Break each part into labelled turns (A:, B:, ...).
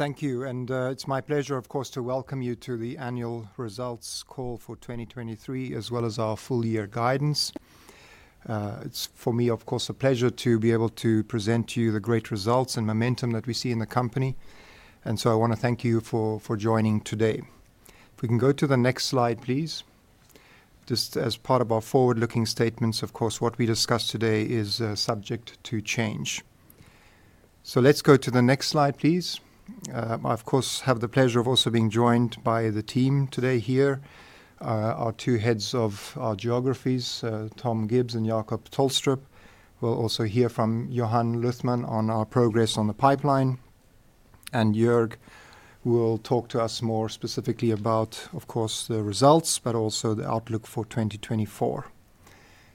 A: Thank you. It's my pleasure, of course, to welcome you to the annual results call for 2023, as well as our full-year guidance. It's for me, of course, a pleasure to be able to present to you the great results and momentum that we see in the company, and so I wanna thank you for joining today. If we can go to the next slide, please. Just as part of our forward-looking statements, of course, what we discuss today is subject to change. Let's go to the next slide, please. I, of course, have the pleasure of also being joined by the team today here. Our two heads of our geographies: Tom Gibbs and Jacob Tolstrup. We'll also hear from Johan Luthman on our progress on the pipeline. Joerg will talk to us more specifically about, of course, the results, but also the outlook for 2024.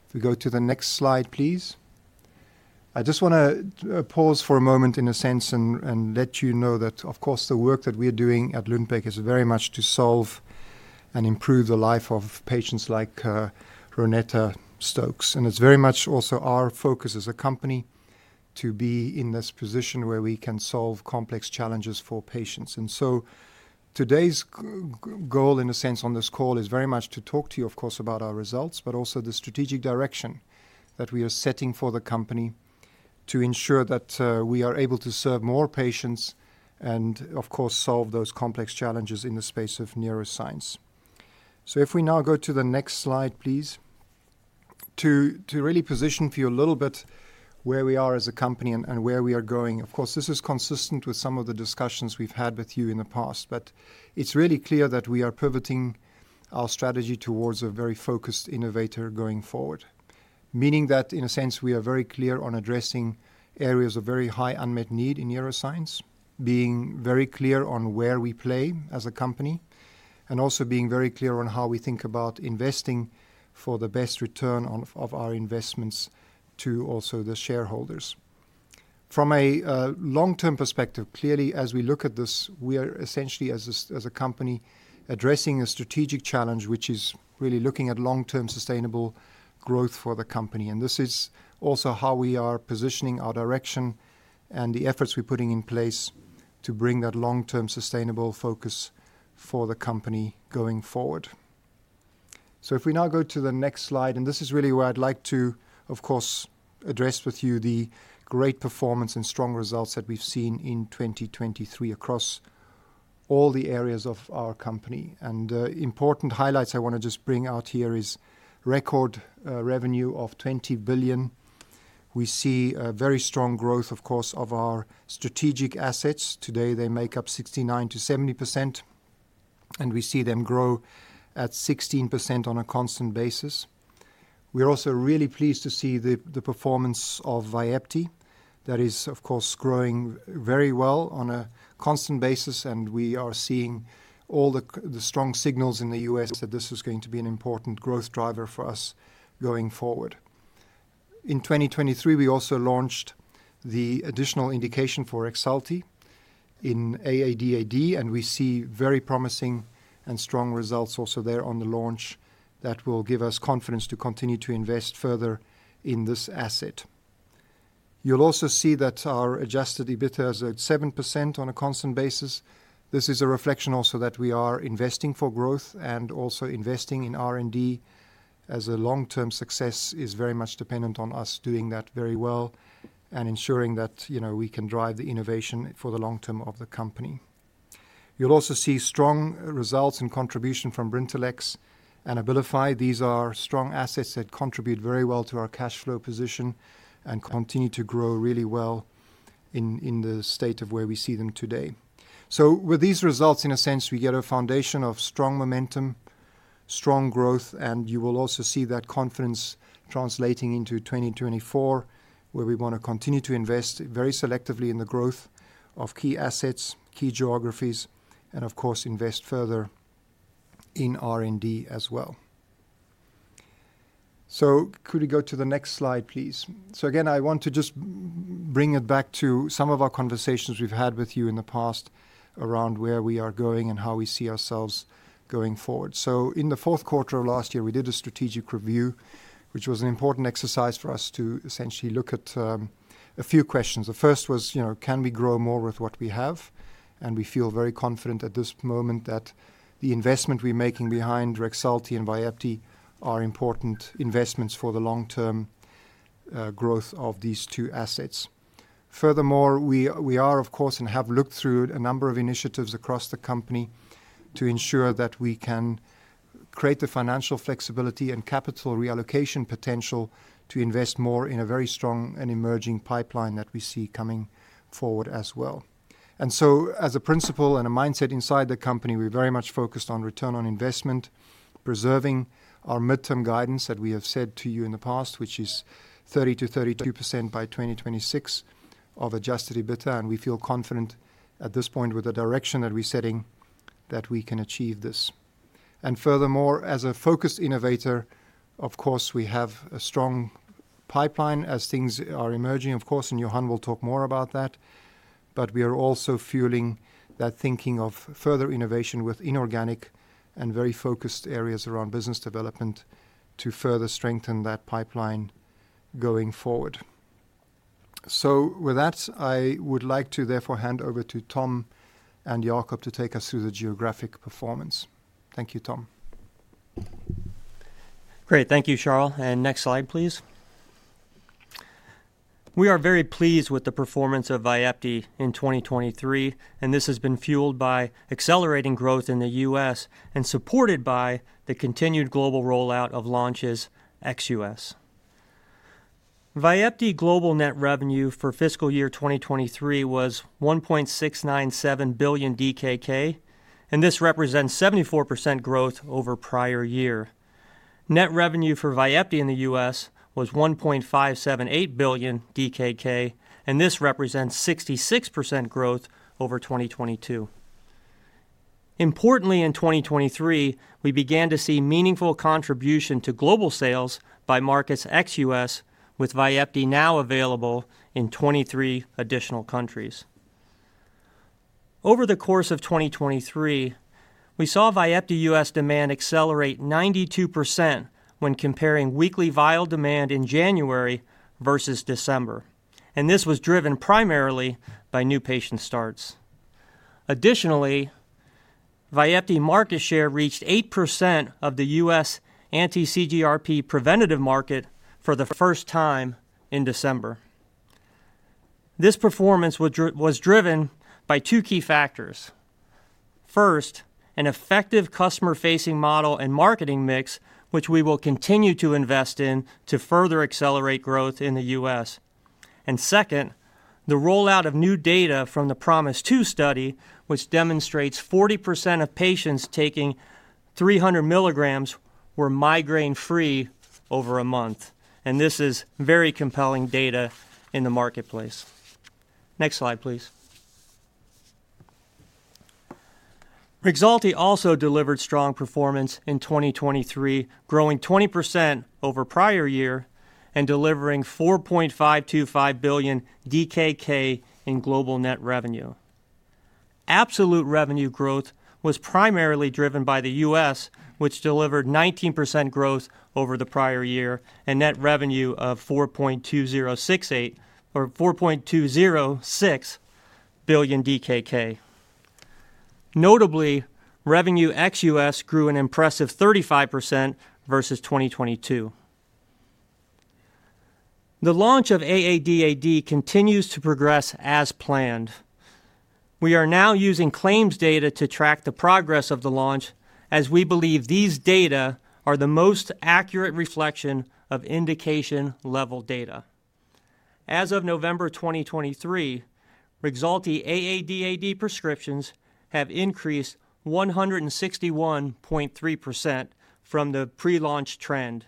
A: If we go to the next slide, please. I just wanna pause for a moment in a sense and let you know that, of course, the work that we are doing at Lundbeck is very much to solve and improve the life of patients like Ronetta Stokes. It's very much also our focus as a company to be in this position where we can solve complex challenges for patients. So today's goal, in a sense, on this call is very much to talk to you, of course, about our results, but also the strategic direction that we are setting for the company to ensure that we are able to serve more patients and, of course, solve those complex challenges in the space of neuroscience. So if we now go to the next slide, please. To really position for you a little bit where we are as a company and where we are going. Of course, this is consistent with some of the discussions we've had with you in the past, but it's really clear that we are pivoting our strategy towards a very focused innovator going forward. Meaning that, in a sense, we are very clear on addressing areas of very high unmet need in neuroscience, being very clear on where we play as a company, and also being very clear on how we think about investing for the best return of our investments to also the shareholders. From a long-term perspective, clearly, as we look at this, we are essentially as a company, addressing a strategic challenge, which is really looking at long-term sustainable growth for the company. This is also how we are positioning our direction and the efforts we're putting in place to bring that long-term sustainable focus for the company going forward. So if we now go to the next slide, and this is really where I'd like to, of course, address with you the great performance and strong results that we've seen in 2023 across all the areas of our company. Important highlights I wanna just bring out here is record revenue of 20 billion. We see a very strong growth, of course, of our strategic assets. Today, they make up 69%-70%, and we see them grow at 16% on a constant basis. We are also really pleased to see the performance of Vyepti. That is, of course, growing very well on a constant basis, and we are seeing all the strong signals in the U.S. that this is going to be an important growth driver for us going forward. In 2023, we also launched the additional indication for Rexulti in AADAD, and we see very promising and strong results also there on the launch that will give us confidence to continue to invest further in this asset. You'll also see that our adjusted EBITDA is at 7% on a constant basis. This is a reflection also that we are investing for growth and also investing in R&D, as a long-term success is very much dependent on us doing that very well and ensuring that, you know, we can drive the innovation for the long term of the company. You'll also see strong results and contribution from Brintellix and Abilify. These are strong assets that contribute very well to our cash flow position and continue to grow really well in the state of where we see them today. So with these results, in a sense, we get a foundation of strong momentum, strong growth, and you will also see that confidence translating into 2024, where we wanna continue to invest very selectively in the growth of key assets, key geographies, and of course, invest further in R&D as well. So could we go to the next slide, please? So again, I want to just bring it back to some of our conversations we've had with you in the past around where we are going and how we see ourselves going forward. So in the fourth quarter of last year, we did a strategic review, which was an important exercise for us to essentially look at a few questions. The first was, you know, can we grow more with what we have? We feel very confident at this moment that the investment we're making behind Rexulti and Vyepti are important investments for the long-term growth of these two assets. Furthermore, we are, of course, and have looked through a number of initiatives across the company to ensure that we can create the financial flexibility and capital reallocation potential to invest more in a very strong and emerging pipeline that we see coming forward as well. So, as a principle and a mindset inside the company, we're very much focused on return on investment, preserving our midterm guidance that we have said to you in the past, which is 30%-32% by 2026 of adjusted EBITDA, and we feel confident at this point with the direction that we're setting, that we can achieve this. Furthermore, as a focused innovator, of course, we have a strong pipeline as things are emerging, of course, and Johan will talk more about that, but we are also fueling that thinking of further innovation with inorganic and very focused areas around business development to further strengthen that pipeline going forward. So with that, I would like to therefore hand over to Tom and Jacob to take us through the geographic performance. Thank you, Tom.
B: Great. Thank you, Charl. And next slide, please. We are very pleased with the performance of Vyepti in 2023, and this has been fueled by accelerating growth in the U.S. and supported by the continued global rollout of launches ex-U.S. Vyepti global net revenue for fiscal year 2023 was 1.697 billion DKK, and this represents 74% growth over prior year. Net revenue for Vyepti in the U.S. was 1.578 billion DKK, and this represents 66% growth over 2022. Importantly, in 2023, we began to see meaningful contribution to global sales by markets ex-U.S., with Vyepti now available in 23 additional countries. Over the course of 2023, we saw Vyepti U.S. demand accelerate 92% when comparing weekly vial demand in January versus December, and this was driven primarily by new patient starts. Additionally, Vyepti market share reached 8% of the U.S. anti-CGRP preventive market for the first time in December. This performance was driven by two key factors. First, an effective customer-facing model and marketing mix, which we will continue to invest in to further accelerate growth in the U.S. And second, the rollout of new data from the PROMISE-2 study, which demonstrates 40% of patients taking 300 mg were migraine-free over a month, and this is very compelling data in the marketplace. Next slide, please. Rexulti also delivered strong performance in 2023, growing 20% over prior year and delivering 4.525 billion DKK in global net revenue. Absolute revenue growth was primarily driven by the U.S., which delivered 19% growth over the prior year and net revenue of 4.2068 or 4.206 billion DKK. Notably, revenue ex-U.S. grew an impressive 35% versus 2022. The launch of AADAD continues to progress as planned. We are now using claims data to track the progress of the launch, as we believe these data are the most accurate reflection of indication-level data. As of November 2023, Rexulti AADAD prescriptions have increased 161.3% from the pre-launch trend.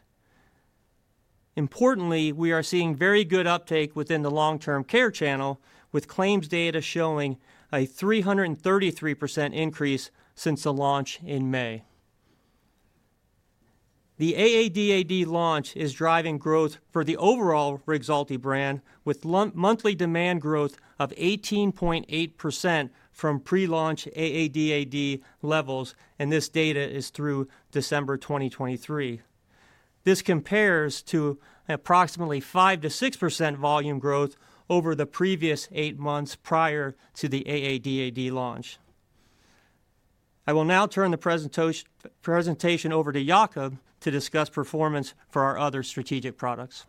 B: Importantly, we are seeing very good uptake within the long-term care channel, with claims data showing a 333% increase since the launch in May. The AADAD launch is driving growth for the overall Rexulti brand, with monthly demand growth of 18.8% from pre-launch AADAD levels, and this data is through December 2023. This compares to approximately 5%-6% volume growth over the previous eight months prior to the AADAD launch. I will now turn the presentation over to Jacob to discuss performance for our other strategic products.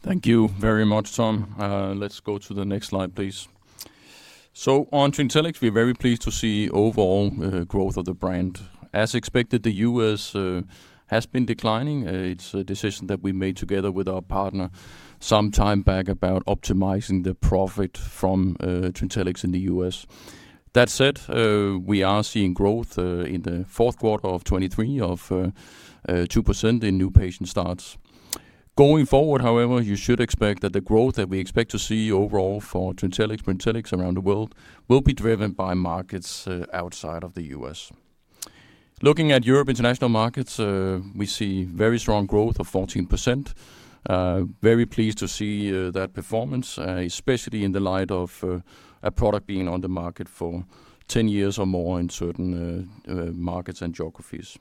C: Thank you very much, Tom. Let's go to the next slide, please. So on Trintellix, we're very pleased to see overall growth of the brand. As expected, the U.S. has been declining. It's a decision that we made together with our partner some time back about optimizing the profit from Trintellix in the U.S. That said, we are seeing growth in the fourth quarter of 2023 of 2% in new patient starts. Going forward, however, you should expect that the growth that we expect to see overall for Trintellix, Brintellix around the world, will be driven by markets outside of the U.S. Looking at Europe international markets, we see very strong growth of 14%. Very pleased to see that performance, especially in the light of a product being on the market for 10 years or more in certain markets and geographies.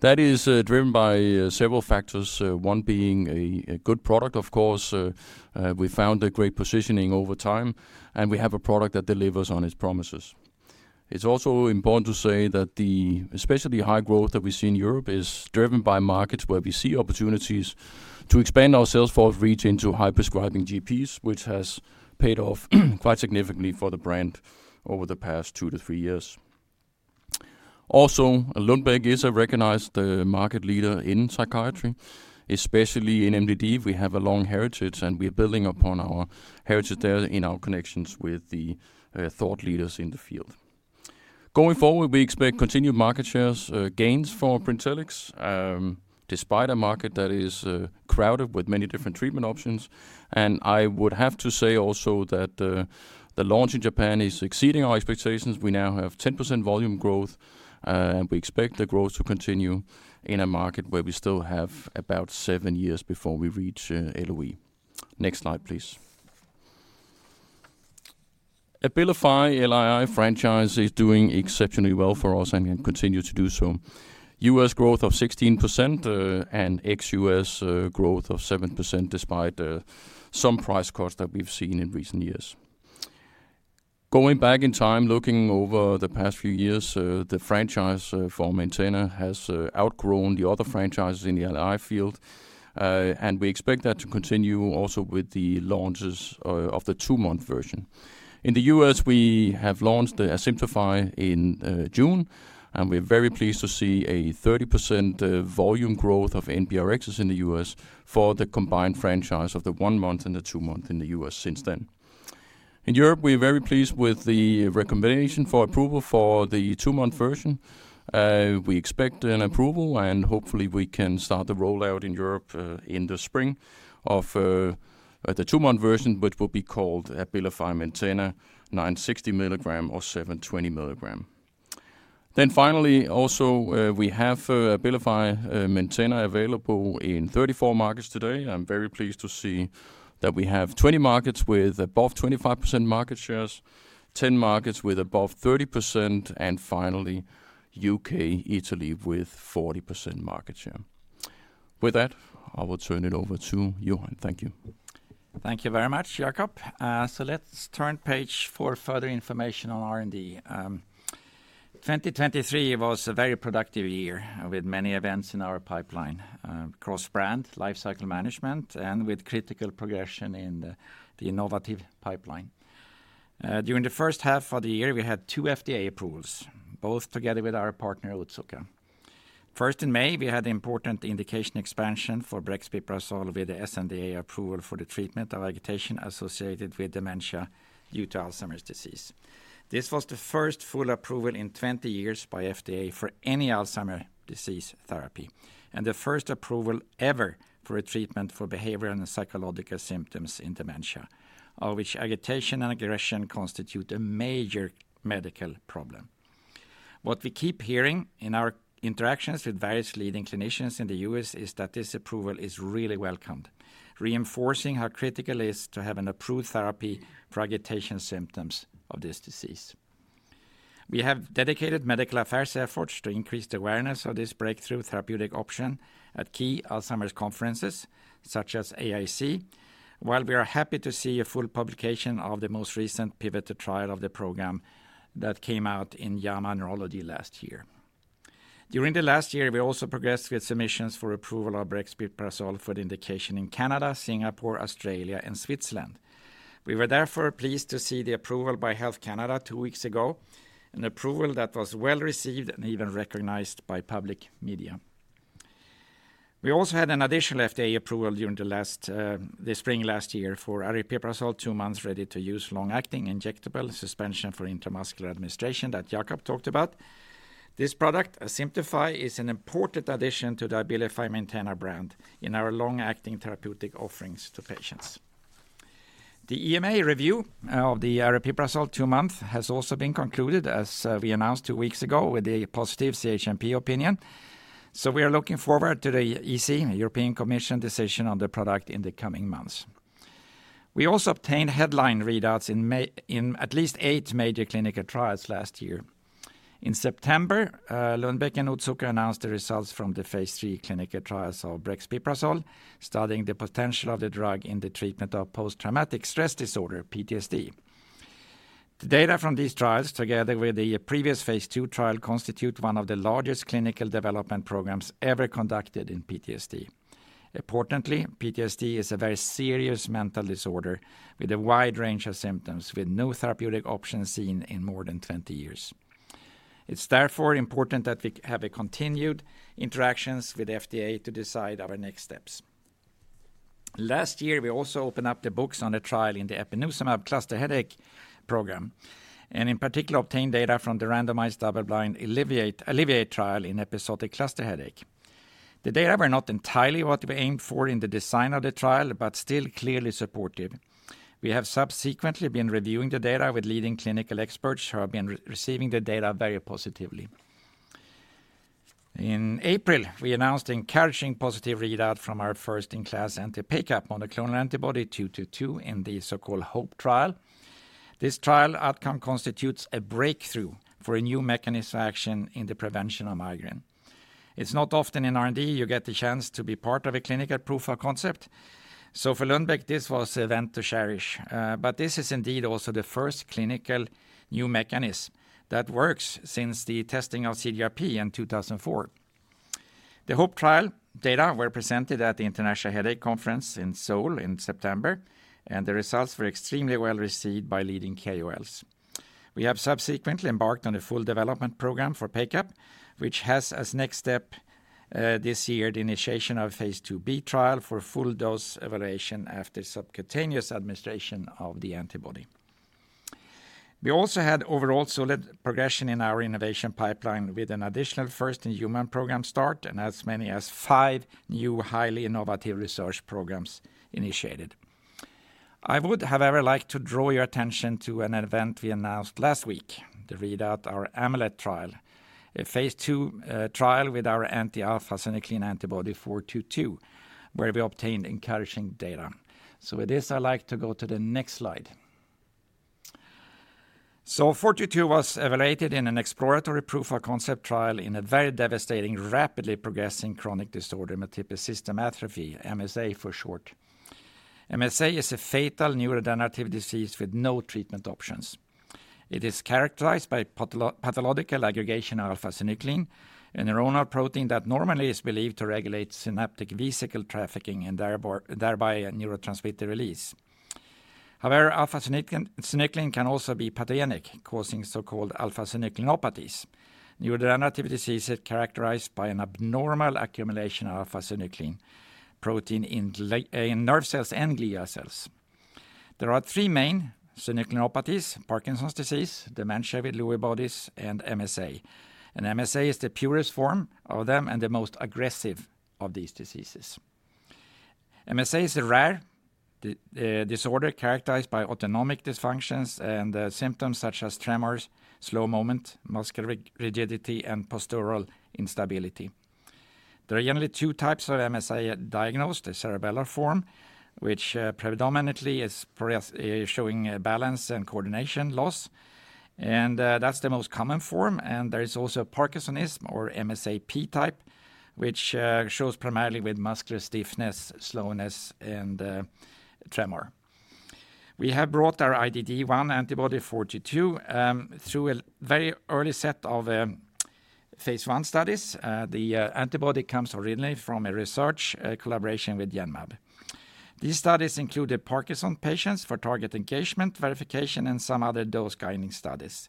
C: That is driven by several factors, one being a good product, of course. We found a great positioning over time, and we have a product that delivers on its promises. It's also important to say that the especially high growth that we see in Europe is driven by markets where we see opportunities to expand our sales force reach into high-prescribing GPs, which has paid off quite significantly for the brand over the past two to three years. Also, Lundbeck is a recognized market leader in psychiatry, especially in MDD. We have a long heritage, and we're building upon our heritage there in our connections with the thought leaders in the field. Going forward, we expect continued market share gains for Brintellix, despite a market that is crowded with many different treatment options. And I would have to say also that the launch in Japan is exceeding our expectations. We now have 10% volume growth, and we expect the growth to continue in a market where we still have about seven years before we reach LOE. Next slide, please. Abilify LAI franchise is doing exceptionally well for us and will continue to do so. U.S. growth of 16%, and ex-U.S. growth of 7%, despite some price cuts that we've seen in recent years. Going back in time, looking over the past few years, the franchise for Maintena has outgrown the other franchises in the LAI field. We expect that to continue also with the launches of the two-month version. In the U.S., we have launched the Asimtufii in June, and we're very pleased to see a 30% volume growth of NBRx in the U.S. for the combined franchise of the one-month and the two-month in the U.S. since then. In Europe, we're very pleased with the recommendation for approval for the two-month version. We expect an approval, and hopefully, we can start the rollout in Europe in the spring of the two-month version, which will be called Abilify Maintena 960 mg or 720 mg. Then finally, also, we have Abilify Maintena available in 34 markets today. I'm very pleased to see that we have 20 markets with above 25% market shares, 10 markets with above 30%, and finally, U.K., Italy with 40% market share. With that, I will turn it over to Johan. Thank you.
D: Thank you very much, Jacob. So let's turn page for further information on R&D. 2023 was a very productive year with many events in our pipeline, across brand, lifecycle management, and with critical progression in the innovative pipeline. During the first half of the year, we had two FDA approvals, both together with our partner, Otsuka. First, in May, we had the important indication expansion for brexpiprazole with the sNDA approval for the treatment of agitation associated with dementia due to Alzheimer's disease. This was the first full approval in 20 years by FDA for any Alzheimer's disease therapy, and the first approval ever for a treatment for behavioral and psychological symptoms in dementia, of which agitation and aggression constitute a major medical problem. What we keep hearing in our interactions with various leading clinicians in the U.S., is that this approval is really welcomed, reinforcing how critical it is to have an approved therapy for agitation symptoms of this disease. We have dedicated medical affairs efforts to increase the awareness of this breakthrough therapeutic option at key Alzheimer's conferences, such as AAIC. While we are happy to see a full publication of the most recent pivoted trial of the program that came out in JAMA Neurology last year. During the last year, we also progressed with submissions for approval of brexpiprazole for the indication in Canada, Singapore, Australia, and Switzerland. We were therefore pleased to see the approval by Health Canada two weeks ago, an approval that was well-received and even recognized by public media. We also had an additional FDA approval during the last, the spring last year for aripiprazole, two months, ready-to-use, long-acting injectable suspension for intramuscular administration that Jacob talked about. This product, Asimtufii, is an important addition to the Abilify Maintena brand in our long-acting therapeutic offerings to patients. The EMA review of the aripiprazole two month has also been concluded, as, we announced two weeks ago, with a positive CHMP opinion. We are looking forward to the EC, European Commission's decision on the product in the coming months. We also obtained headline readouts in May in at least eight major clinical trials last year. In September, Lundbeck and Otsuka announced the results from the phase III clinical trials of brexpiprazole, studying the potential of the drug in the treatment of post-traumatic stress disorder, PTSD. The data from these trials, together with the previous phase II trial, constitute one of the largest clinical development programs ever conducted in PTSD. Importantly, PTSD is a very serious mental disorder with a wide range of symptoms, with no therapeutic options seen in more than 20 years. It's therefore important that we have a continued interactions with FDA to decide our next steps. Last year, we also opened up the books on a trial in the eptinezumab cluster headache program, and in particular, obtained data from the randomized double-blind ALLEVIATE trial in episodic cluster headache. The data were not entirely what we aimed for in the design of the trial, but still clearly supportive. We have subsequently been reviewing the data with leading clinical experts who have been receiving the data very positively. In April, we announced encouraging positive readout from our first-in-class anti-PACAP monoclonal antibody 222 in the so-called HOPE trial. This trial outcome constitutes a breakthrough for a new mechanism of action in the prevention of migraine. It's not often in R&D you get the chance to be part of a clinical proof of concept, so for Lundbeck, this was an event to cherish. But this is indeed also the first clinical new mechanism that works since the testing of CGRP in 2004. The HOPE trial data were presented at the International Headache Conference in Seoul in September, and the results were extremely well-received by leading KOLs. We have subsequently embarked on a full development program for PACAP, which has as next step, this year, the initiation of a phase II-B trial for full dose evaluation after subcutaneous administration of the antibody. We also had overall solid progression in our innovation pipeline with an additional first-in-human program start, and as many as five new highly innovative research programs initiated. I would however like to draw your attention to an event we announced last week, the readout of our AMULET trial, a phase II trial with our anti-alpha-synuclein antibody 422, where we obtained encouraging data. So with this, I'd like to go to the next slide. So 422 was evaluated in an exploratory proof of concept trial in a very devastating, rapidly progressing chronic disorder, multiple system atrophy, MSA for short. MSA is a fatal neurodegenerative disease with no treatment options. It is characterized by pathological aggregation of alpha-synuclein, a neuronal protein that normally is believed to regulate synaptic vesicle trafficking and thereby neurotransmitter release. However, alpha synuclein can also be pathogenic, causing so-called alpha-synucleinopathies, neurodegenerative diseases characterized by an abnormal accumulation of Alpha-synuclein protein in nerve cells and glia cells. There are three main synucleinopathies: Parkinson's disease, dementia with Lewy bodies, and MSA. MSA is the purest form of them and the most aggressive of these diseases. MSA is a rare disorder characterized by autonomic dysfunctions and symptoms such as tremors, slow movement, muscular rigidity, and postural instability. There are generally two types of MSA diagnosed: the cerebellar form, which predominantly shows balance and coordination loss, and that's the most common form. There is also parkinsonism or MSA-P type, which shows primarily with muscular stiffness, slowness, and tremor. We have brought our IgG1 antibody 422 through a very early set of phase I studies. The antibody comes originally from a research collaboration with Genmab. These studies included Parkinson patients for target engagement, verification, and some other dose guiding studies.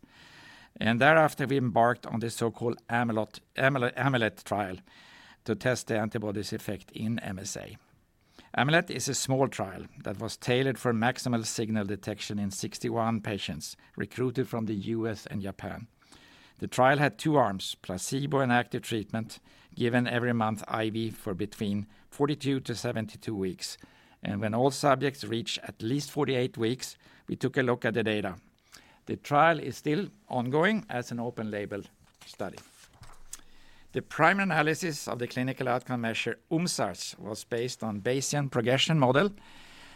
D: And thereafter, we embarked on the so-called AMULET trial to test the antibody's effect in MSA. AMULET is a small trial that was tailored for maximal signal detection in 61 patients recruited from the U.S. and Japan. The trial had two arms, placebo and active treatment, given every month IV for between 42-72 weeks. And when all subjects reached at least 48 weeks, we took a look at the data. The trial is still ongoing as an open label study. The prime analysis of the clinical outcome measure, UMSARS, was based on Bayesian progression model.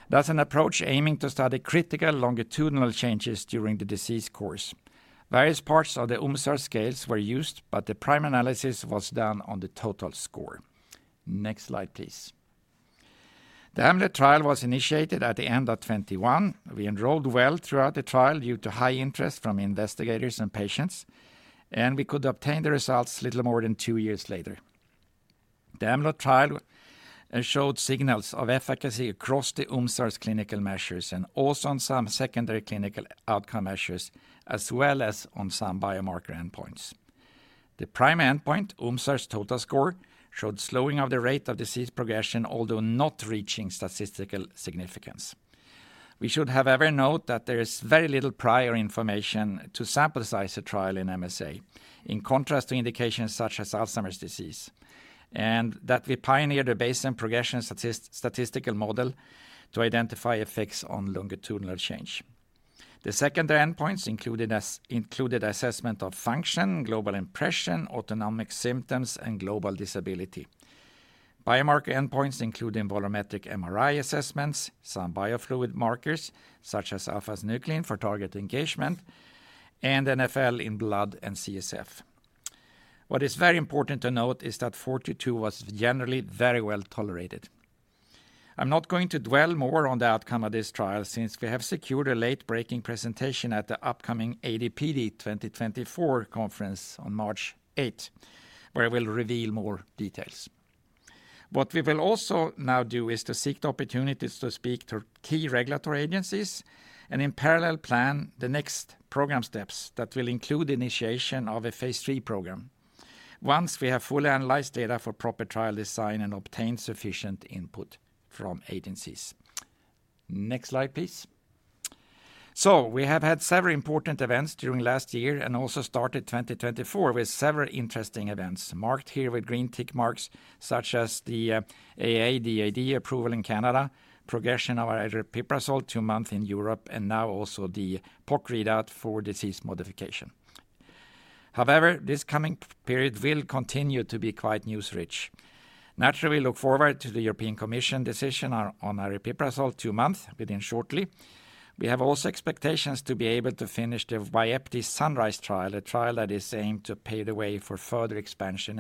D: That's an approach aiming to study critical longitudinal changes during the disease course. Various parts of the UMSARS scales were used, but the prime analysis was done on the total score. Next slide, please. The AMULET trial was initiated at the end of 2021. We enrolled well throughout the trial due to high interest from investigators and patients, and we could obtain the results a little more than two years later. The AMULET trial showed signals of efficacy across the UMSARS clinical measures and also on some secondary clinical outcome measures, as well as on some biomarker endpoints. The prime endpoint, UMSARS total score, showed slowing of the rate of disease progression, although not reaching statistical significance. We should however note that there is very little prior information to sample size a trial in MSA, in contrast to indications such as Alzheimer's disease, and that we pioneered a Bayesian progression statistical model to identify effects on longitudinal change. The secondary endpoints included assessment of function, global impression, autonomic symptoms, and global disability. Biomarker endpoints include volumetric MRI assessments, some biofluid markers such as alpha-synuclein for target engagement, and NfL in blood and CSF. What is very important to note is that 422 was generally very well tolerated. I'm not going to dwell more on the outcome of this trial since we have secured a late-breaking presentation at the upcoming AD/PD 2024 conference on March 8th, where I will reveal more details. What we will also now do is to seek the opportunities to speak to key regulatory agencies and in parallel, plan the next program steps that will include initiation of a phase III program once we have fully analyzed data for proper trial design and obtained sufficient input from agencies. Next slide, please. So we have had several important events during last year and also started 2024 with several interesting events, marked here with green tick marks, such as the AADAD approval in Canada, progression of our aripiprazole two-month in Europe, and now also the POC readout for disease modification. However, this coming period will continue to be quite news-rich. Naturally, we look forward to the European Commission decision on aripiprazole two-month shortly. We have also expectations to be able to finish the Vyepti SUNRISE trial, a trial that is aimed to pave the way for further expansion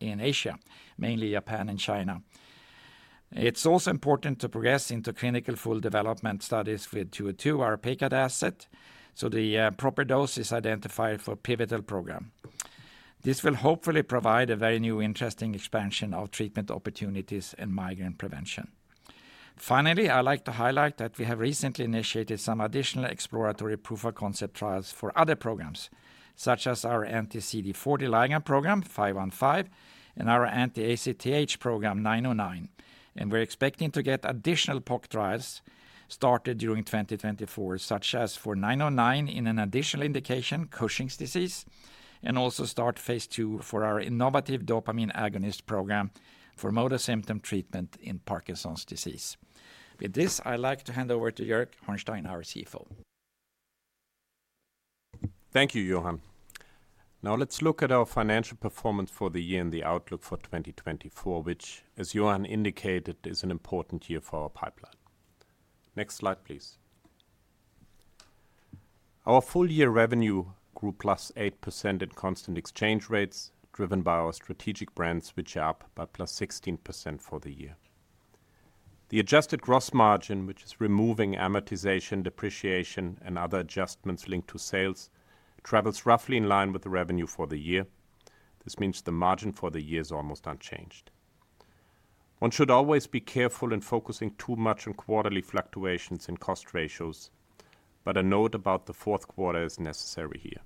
D: in Asia, mainly Japan and China. It's also important to progress into clinical full development studies with 222, our PACAP asset, so the proper dose is identified for pivotal program. This will hopefully provide a very new, interesting expansion of treatment opportunities in migraine prevention. Finally, I like to highlight that we have recently initiated some additional exploratory proof of concept trials for other programs, such as our anti-CD40 ligand program 515 and our anti-ACTH program, 909. And we're expecting to get additional POC trials started during 2024, such as for 909 in an additional indication, Cushing's disease, and also start phase II for our innovative dopamine agonist program for motor symptom treatment in Parkinson's disease. With this, I'd like to hand over to Joerg Hornstein, our CFO.
E: Thank you, Johan. Now let's look at our financial performance for the year and the outlook for 2024, which, as Johan indicated, is an important year for our pipeline. Next slide, please. Our full-year revenue grew +8% at constant exchange rates, driven by our strategic brands, which are up by +16% for the year. The adjusted gross margin, which is removing amortization, depreciation, and other adjustments linked to sales, travels roughly in line with the revenue for the year. This means the margin for the year is almost unchanged. One should always be careful in focusing too much on quarterly fluctuations in cost ratios, but a note about the fourth quarter is necessary here.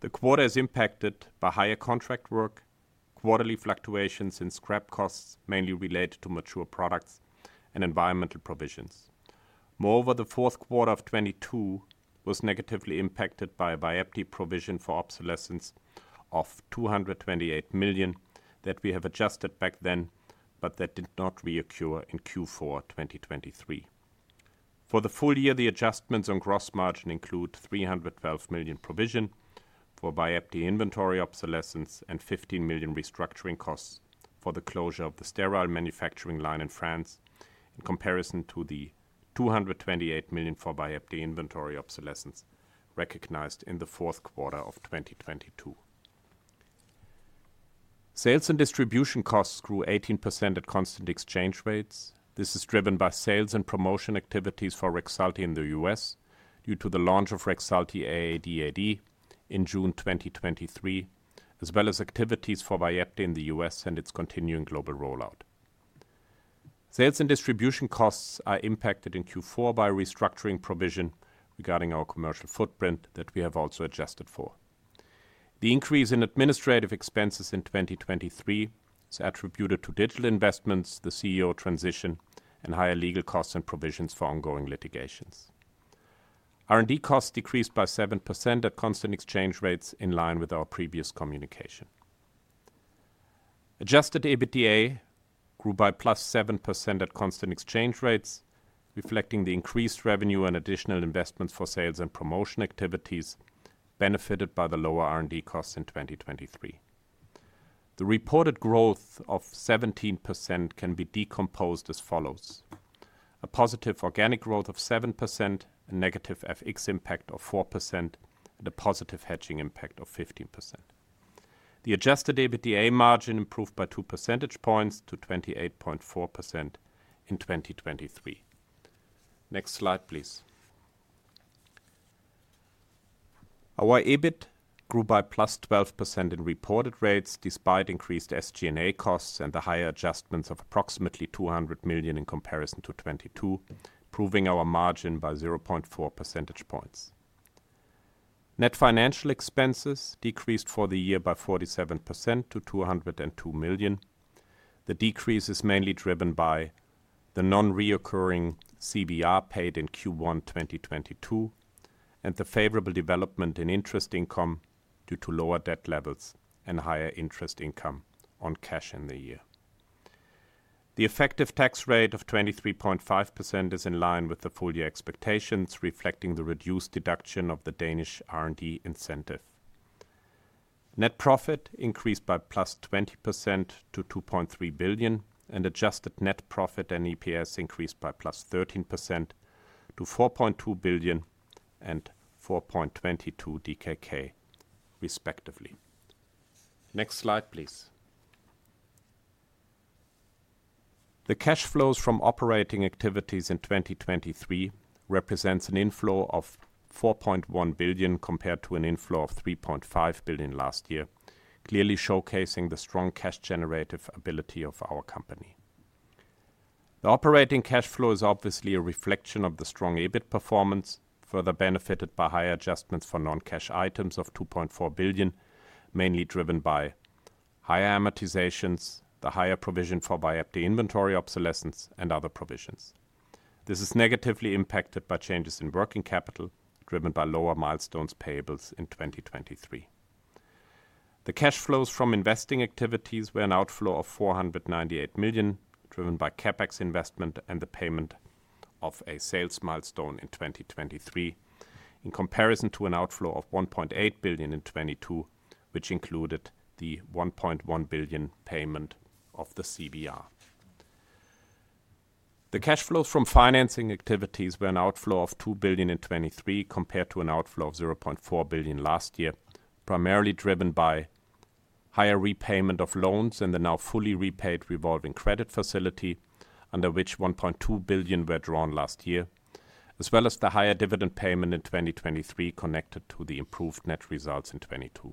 E: The quarter is impacted by higher contract work, quarterly fluctuations in scrap costs, mainly related to mature products and environmental provisions. Moreover, the fourth quarter of 2022 was negatively impacted by a Vyepti provision for obsolescence of 228 million that we have adjusted back then, but that did not reoccur in Q4 2023. For the full year, the adjustments on gross margin include 312 million provision for Vyepti inventory obsolescence and 15 million restructuring costs for the closure of the sterile manufacturing line in France, in comparison to the 228 million for Vyepti inventory obsolescence recognized in the fourth quarter of 2022. Sales and distribution costs grew 18% at constant exchange rates. This is driven by sales and promotion activities for Rexulti in the U.S. due to the launch of Rexulti AADAD in June 2023, as well as activities for Vyepti in the U.S. and its continuing global rollout. Sales and distribution costs are impacted in Q4 by restructuring provision regarding our commercial footprint that we have also adjusted for. The increase in administrative expenses in 2023 is attributed to digital investments, the CEO transition, and higher legal costs and provisions for ongoing litigations. R&D costs decreased by 7% at constant exchange rates in line with our previous communication. Adjusted EBITDA grew by +7% at constant exchange rates, reflecting the increased revenue and additional investments for sales and promotion activities benefited by the lower R&D costs in 2023. The reported growth of 17% can be decomposed as follows: a positive organic growth of 7%, a negative FX impact of 4%, and a positive hedging impact of 15%. The adjusted EBITDA margin improved by 2 percentage points to 28.4% in 2023. Next slide, please. Our EBIT grew by +12% in reported rates, despite increased SG&A costs and the higher adjustments of approximately 200 million in comparison to 2022, improving our margin by 0.4 percentage points. Net financial expenses decreased for the year by 47% to 202 million. The decrease is mainly driven by the non-recurring CVR paid in Q1 2022 and the favorable development in interest income due to lower debt levels and higher interest income on cash in the year. The effective tax rate of 23.5% is in line with the full year expectations, reflecting the reduced deduction of the Danish R&D incentive. Net profit increased by +20% to 2.3 billion, and adjusted net profit and EPS increased by +13% to 4.2 billion and 4.22 DKK respectively. Next slide, please. The cash flows from operating activities in 2023 represents an inflow of 4.1 billion, compared to an inflow of 3.5 billion last year, clearly showcasing the strong cash generative ability of our company. The operating cash flow is obviously a reflection of the strong EBIT performance, further benefited by higher adjustments for non-cash items of 2.4 billion, mainly driven by higher amortizations, the higher provision for Vyepti inventory obsolescence, and other provisions. This is negatively impacted by changes in working capital, driven by lower milestones payables in 2023. The cash flows from investing activities were an outflow of 498 million, driven by CapEx investment and the payment of a sales milestone in 2023. In comparison to an outflow of 1.8 billion in 2022, which included the 1.1 billion payment of the CVR. The cash flows from financing activities were an outflow of 2 billion in 2023, compared to an outflow of 0.4 billion last year, primarily driven by higher repayment of loans and the now fully repaid revolving credit facility, under which 1.2 billion were drawn last year, as well as the higher dividend payment in 2023 connected to the improved net results in 2022.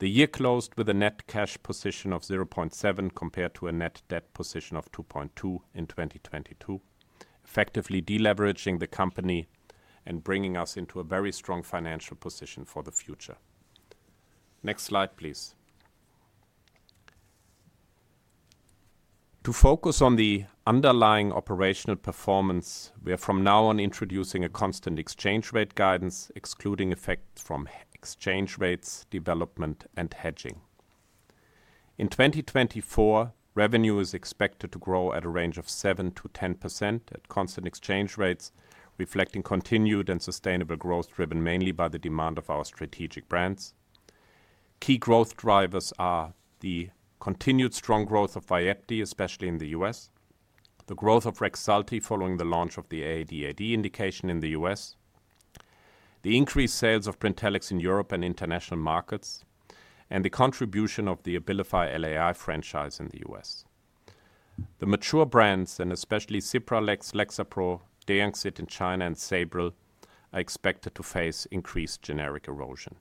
E: The year closed with a net cash position of 0.7, compared to a net debt position of 2.2 in 2022, effectively de-leveraging the company and bringing us into a very strong financial position for the future. Next slide, please. To focus on the underlying operational performance, we are from now on introducing a constant exchange rate guidance, excluding effects from exchange rates, development, and hedging. In 2024, revenue is expected to grow at a range of 7%-10% at constant exchange rates, reflecting continued and sustainable growth, driven mainly by the demand of our strategic brands. Key growth drivers are the continued strong growth of Vyepti, especially in the U.S. The growth of Rexulti following the launch of the AADAD indication in the U.S. The increased sales of Brintellix in Europe and international markets. And the contribution of the Abilify LAI franchise in the U.S. The mature brands, and especially Cipralex, Lexapro, Deanxit in China, and Sabril, are expected to face increased generic erosion.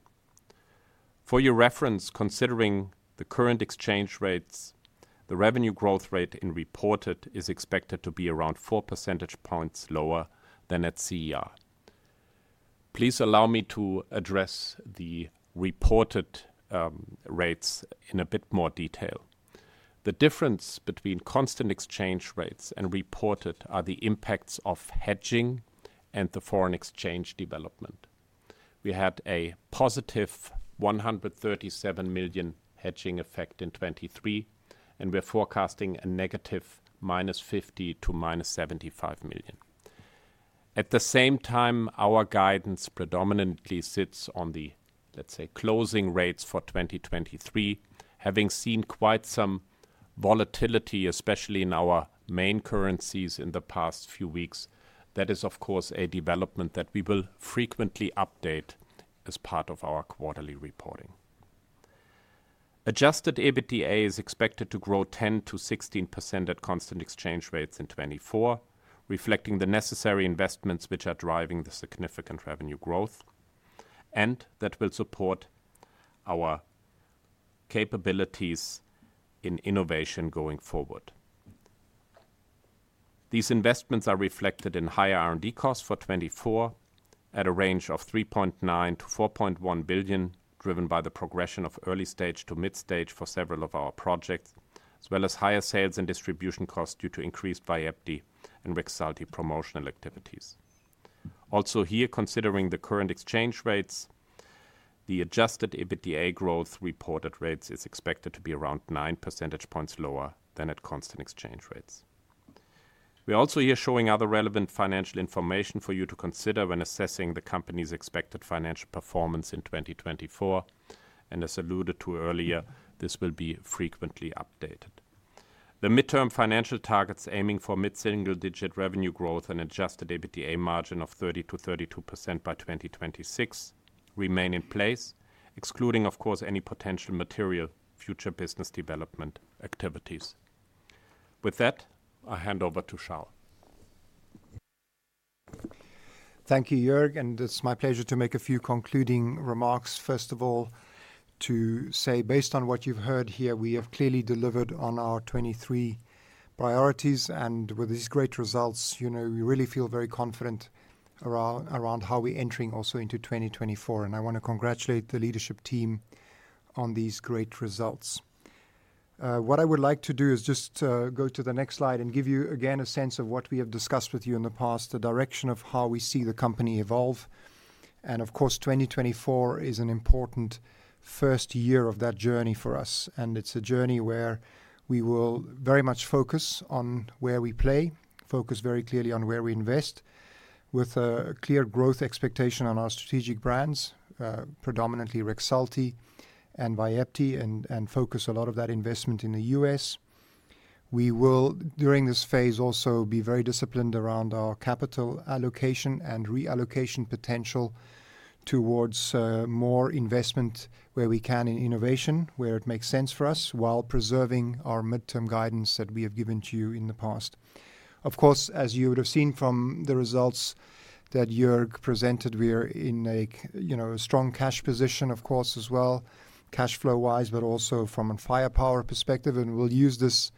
E: For your reference, considering the current exchange rates, the revenue growth rate in reported is expected to be around 4 percentage points lower than at CER. Please allow me to address the reported rates in a bit more detail. The difference between constant exchange rates and reported are the impacts of hedging and the foreign exchange development. We had a positive 137 million hedging effect in 2023, and we are forecasting a negative -50 million--75 million. At the same time, our guidance predominantly sits on the, let's say, closing rates for 2023, having seen quite some volatility, especially in our main currencies in the past few weeks. That is, of course, a development that we will frequently update as part of our quarterly reporting. Adjusted EBITDA is expected to grow 10%-16% at constant exchange rates in 2024, reflecting the necessary investments which are driving the significant revenue growth and that will support our capabilities in innovation going forward. These investments are reflected in higher R&D costs for 2024, at a range of 3.9 billion-4.1 billion, driven by the progression of early stage to mid stage for several of our projects, as well as higher sales and distribution costs due to increased Vyepti and Rexulti promotional activities. Also here, considering the current exchange rates, the adjusted EBITDA growth reported rates is expected to be around 9 percentage points lower than at constant exchange rates. We are also here showing other relevant financial information for you to consider when assessing the company's expected financial performance in 2024, and as alluded to earlier, this will be frequently updated. The midterm financial targets, aiming for mid-single-digit revenue growth and adjusted EBITDA margin of 30%-32% by 2026, remain in place, excluding, of course, any potential material future business development activities. With that, I hand over to Charl.
A: Thank you, Joerg, and it's my pleasure to make a few concluding remarks. First of all, to say, based on what you've heard here, we have clearly delivered on our 2023 priorities. With these great results, you know, we really feel very confident around how we're entering also into 2024, and I want to congratulate the leadership team on these great results. What I would like to do is just go to the next slide and give you again a sense of what we have discussed with you in the past, the direction of how we see the company evolve. Of course, 2024 is an important first year of that journey for us, and it's a journey where we will very much focus on where we play, focus very clearly on where we invest, with a clear growth expectation on our strategic brands, predominantly Rexulti and Vyepti, and focus a lot of that investment in the U.S. We will, during this phase, also be very disciplined around our capital allocation and reallocation potential towards more investment where we can in innovation, where it makes sense for us, while preserving our midterm guidance that we have given to you in the past. Of course, as you would have seen from the results that Joerg presented, we are in a you know, a strong cash position, of course, as well, cash flow wise, but also from a firepower perspective. We'll use this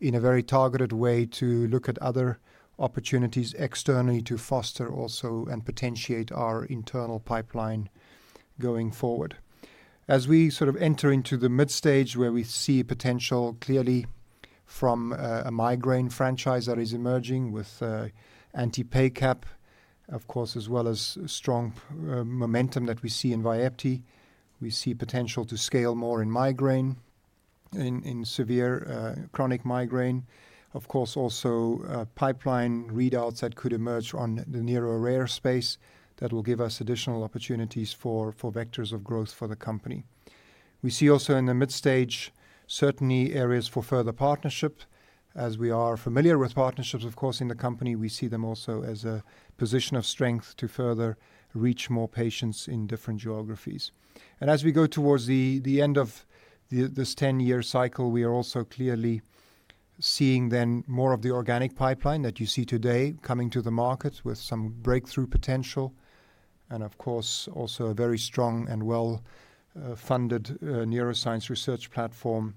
A: in a very targeted way to look at other opportunities externally to foster also and potentiate our internal pipeline going forward. As we sort of enter into the mid stage, where we see potential clearly from a migraine franchise that is emerging with anti-PACAP, of course, as well as strong momentum that we see in Vyepti. We see potential to scale more in migraine, in severe chronic migraine. Of course, also pipeline readouts that could emerge on the neuro rare space that will give us additional opportunities for vectors of growth for the company. We see also in the mid stage, certainly areas for further partnership, as we are familiar with partnerships, of course, in the company. We see them also as a position of strength to further reach more patients in different geographies. And as we go towards the end of this 10-year cycle, we are also clearly seeing then more of the organic pipeline that you see today coming to the market with some breakthrough potential, and of course, also a very strong and well funded neuroscience research platform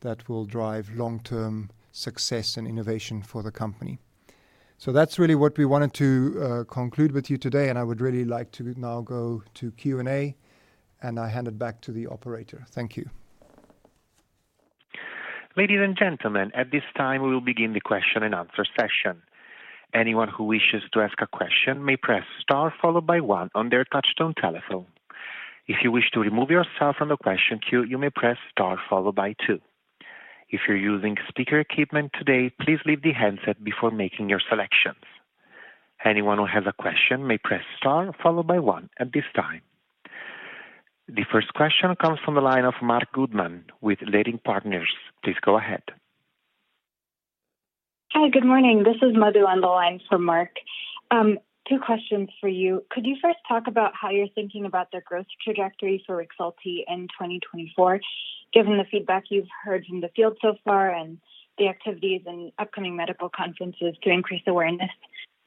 A: that will drive long-term success and innovation for the company. So that's really what we wanted to conclude with you today, and I would really like to now go to Q&A, and I hand it back to the operator. Thank you.
F: Ladies and gentlemen, at this time, we will begin the question-and-answer session. Anyone who wishes to ask a question may press star followed by one on their touch-tone telephone. If you wish to remove yourself from the question queue, you may press star followed by two. If you're using speaker equipment today, please leave the handset before making your selections. Anyone who has a question may press star followed by one at this time. The first question comes from the line of Marc Goodman with Leerink Partners. Please go ahead.
G: Hi, good morning. This is Madhu on the line for Marc. Two questions for you. Could you first talk about how you're thinking about the growth trajectory for Rexulti in 2024, given the feedback you've heard from the field so far and the activities and upcoming medical conferences to increase awareness?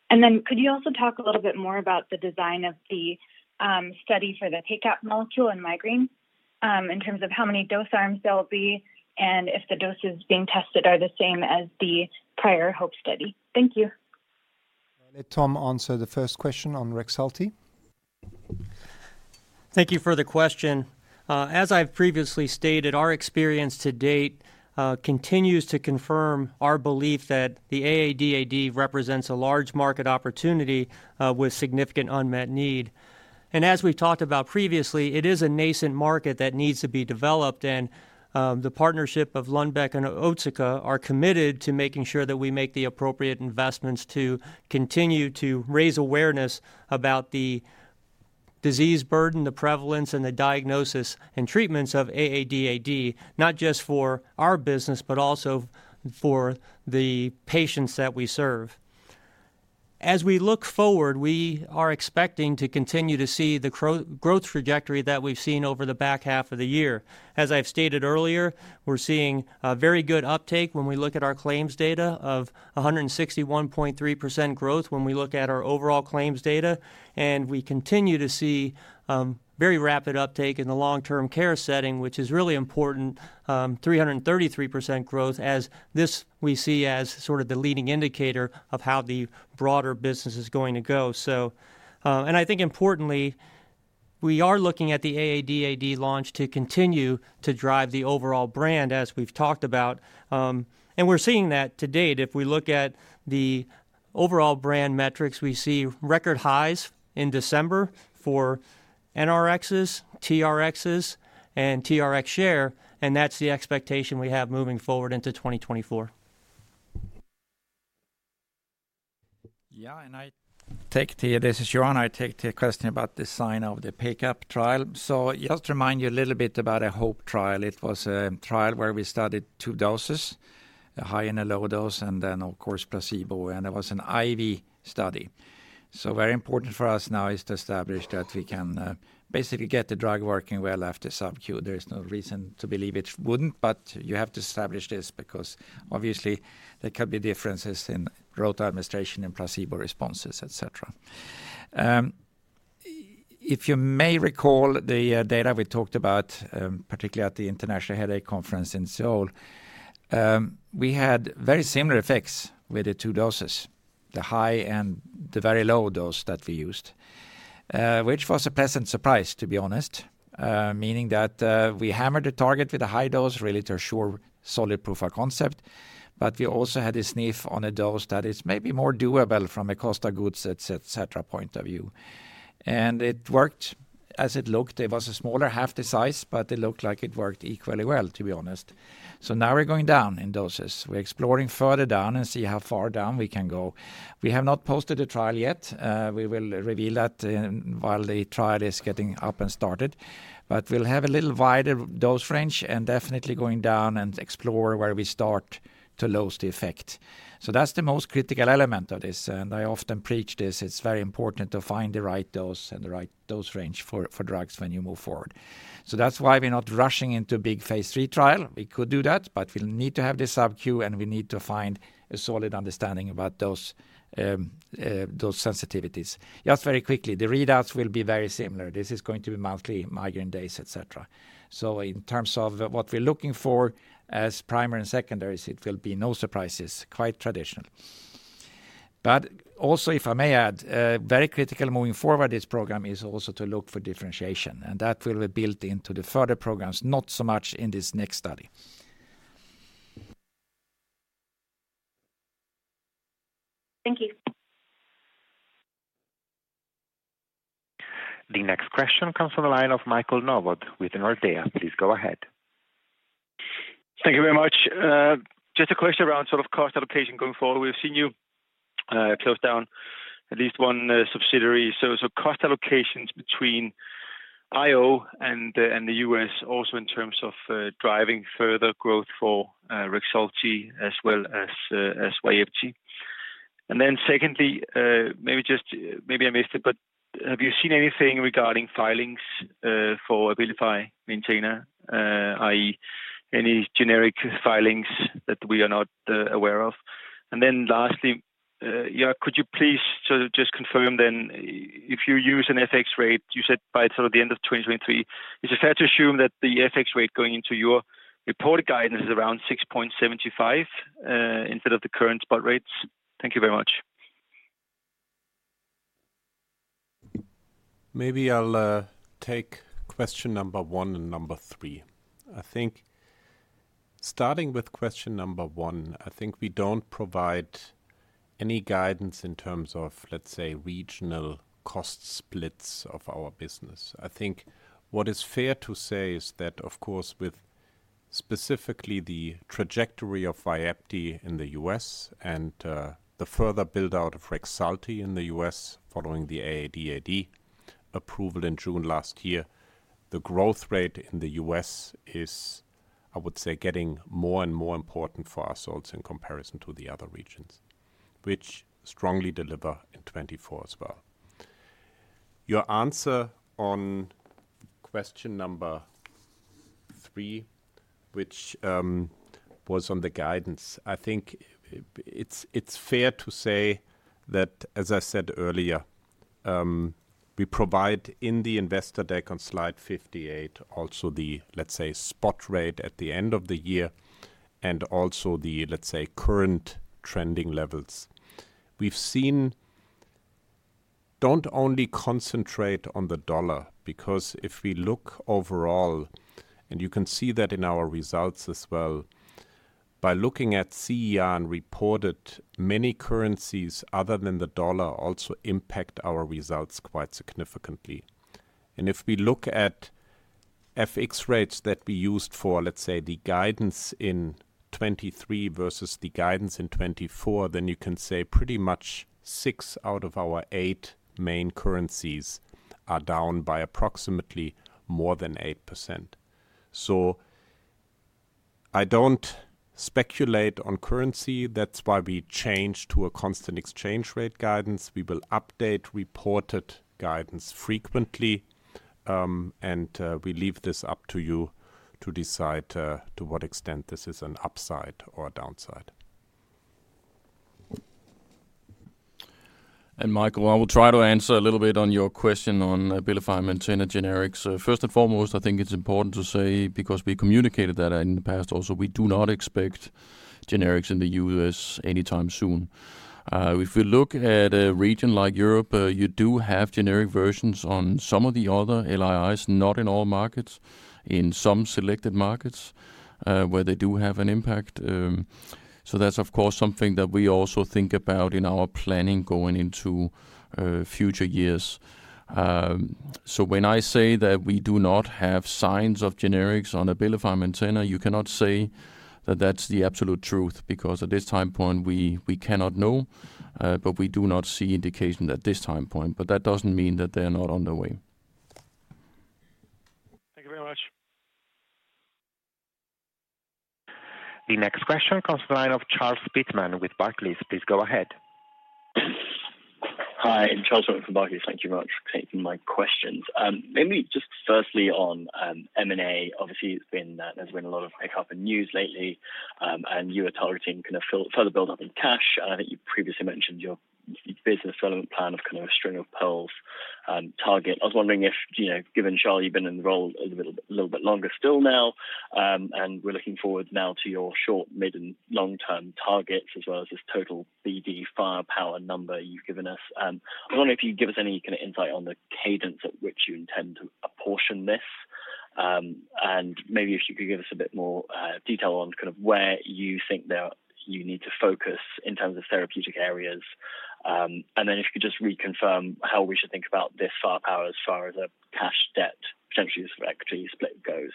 G: And then could you also talk a little bit more about the design of the study for the PACAP molecule in migraine, in terms of how many dose arms there will be and if the doses being tested are the same as the prior HOPE study? Thank you.
A: I'll let Tom answer the first question on Rexulti.
B: Thank you for the question. As I've previously stated, our experience to date continues to confirm our belief that the AADAD represents a large market opportunity with significant unmet need. As we've talked about previously, it is a nascent market that needs to be developed, and the partnership of Lundbeck and Otsuka are committed to making sure that we make the appropriate investments to continue to raise awareness about the disease burden, the prevalence, and the diagnosis and treatments of AADAD, not just for our business, but also for the patients that we serve. As we look forward, we are expecting to continue to see the growth trajectory that we've seen over the back half of the year. As I've stated earlier, we're seeing a very good uptake when we look at our claims data of 161.3% growth, when we look at our overall claims data, and we continue to see very rapid uptake in the long-term care setting, which is really important, 333% growth as this we see as sort of the leading indicator of how the broader business is going to go. So. And I think importantly, we are looking at the AADAD launch to continue to drive the overall brand, as we've talked about, and we're seeing that to date. If we look at the overall brand metrics, we see record highs in December for NRXs, TRXs, and TRX share, and that's the expectation we have moving forward into 2024.
D: Yeah, and I take it to you. This is Johan. I take the question about the design of the pickup trial. So just to remind you a little bit about a HOPE trial. It was a trial where we studied two doses, a high and a low dose, and then, of course, placebo, and it was an IV study. So very important for us now is to establish that we can basically get the drug working well after subcu. There is no reason to believe it wouldn't, but you have to establish this because obviously there could be differences in route administration and placebo responses, et cetera. If you may recall, the data we talked about, particularly at the International Headache Conference in Seoul, we had very similar effects with the two doses, the high and the very low dose that we used, which was a pleasant surprise, to be honest. Meaning that, we hammered the target with a high dose, really to ensure solid proof of concept, but we also had a sniff on a dose that is maybe more doable from a cost of goods, et cetera, point of view. And it worked. As it looked, it was a smaller, half the size, but it looked like it worked equally well, to be honest. So now we're going down in doses. We're exploring further down and see how far down we can go. We have not posted the trial yet. We will reveal that while the trial is getting up and started, but we'll have a little wider dose range and definitely going down and explore where we start to lose the effect. So that's the most critical element of this, and I often preach this. It's very important to find the right dose and the right dose range for drugs when you move forward. So that's why we're not rushing into a big phase III trial. We could do that, but we'll need to have the subcu, and we need to find a solid understanding about those sensitivities. Just very quickly, the readouts will be very similar. This is going to be monthly migraine days, et cetera. So in terms of what we're looking for as primary and secondaries, it will be no surprises, quite traditional. But also, if I may add, very critical moving forward, this program is also to look for differentiation, and that will be built into the further programs, not so much in this next study.
G: Thank you.
F: The next question comes from the line of Michael Novod with Nordea. Please go ahead.
H: Thank you very much. Just a question around sort of cost allocation going forward. We've seen you close down at least one subsidiary. So, cost allocations between IO and the U.S. also in terms of driving further growth for Rexulti as well as Vyepti. And then secondly, maybe just maybe I missed it, but have you seen anything regarding filings for Abilify Maintena, i.e., any generic filings that we are not aware of? And then lastly, yeah, could you please sort of just confirm then, if you use an FX rate, you said by sort of the end of 2023, is it fair to assume that the FX rate going into your reported guidance is around 6.75 instead of the current spot rates? Thank you very much.
D: Maybe I'll take question number one and number three. I think starting with question number one, I think we don't provide any guidance in terms of, let's say, regional cost splits of our business. I think what is fair to say is that, of course, with specifically the trajectory of Vyepti in the U.S. and the further build-out of Rexulti in the U.S. following the AADAD approval in June last year, the growth rate in the US is, I would say, getting more and more important for our sales in comparison to the other regions, which strongly deliver in 2024 as well. Your answer on question number three, which was on the guidance, I think it's fair to say that, as I said earlier, we provide in the investor deck on slide 58, also the, let's say, spot rate at the end of the year, and also the, let's say, current trending levels. We've seen. Don't only concentrate on the dollar, because if we look overall, and you can see that in our results as well, by looking at CER and reported many currencies other than the dollar, also impact our results quite significantly. And if we look at FX rates that we used for, let's say, the guidance in 2023 versus the guidance in 2024, then you can say pretty much six out of our eight main currencies are down by approximately more than 8%. So I don't speculate on currency. That's why we changed to a constant exchange rate guidance. We will update reported guidance frequently, and we leave this up to you to decide to what extent this is an upside or a downside.
C: Michael, I will try to answer a little bit on your question on Abilify Maintena and generics. First and foremost, I think it's important to say, because we communicated that in the past also, we do not expect generics in the U.S. anytime soon. If you look at a region like Europe, you do have generic versions on some of the other LAIs, not in all markets, in some selected markets, where they do have an impact. So that's, of course, something that we also think about in our planning going into future years. So when I say that we do not have signs of generics on Abilify Maintena, you cannot say that that's the absolute truth, because at this time point, we cannot know. But we do not see indication at this time point, but that doesn't mean that they're not on the way.
H: Thank you very much.
F: The next question comes to the line of Charles Pitman with Barclays. Please go ahead.
I: Hi, Charles from Barclays. Thank you much for taking my questions. Maybe just firstly on M&A. Obviously, it's been, there's been a lot of pickup in news lately. You are targeting kind of further build-up in cash. I think you previously mentioned your business development plan of kind of a string of pearls target. I was wondering if, you know, given, Charl, you've been in role a little bit, little bit longer still now, and we're looking forward now to your short, mid, and long-term targets, as well as this total BD firepower number you've given us. I was wondering if you'd give us any kind of insight on the cadence at which you intend to apportion this. Maybe if you could give us a bit more detail on kind of where you think that you need to focus in terms of therapeutic areas. Then if you could just reconfirm how we should think about this firepower as far as cash, debt, potentially this equity split goes.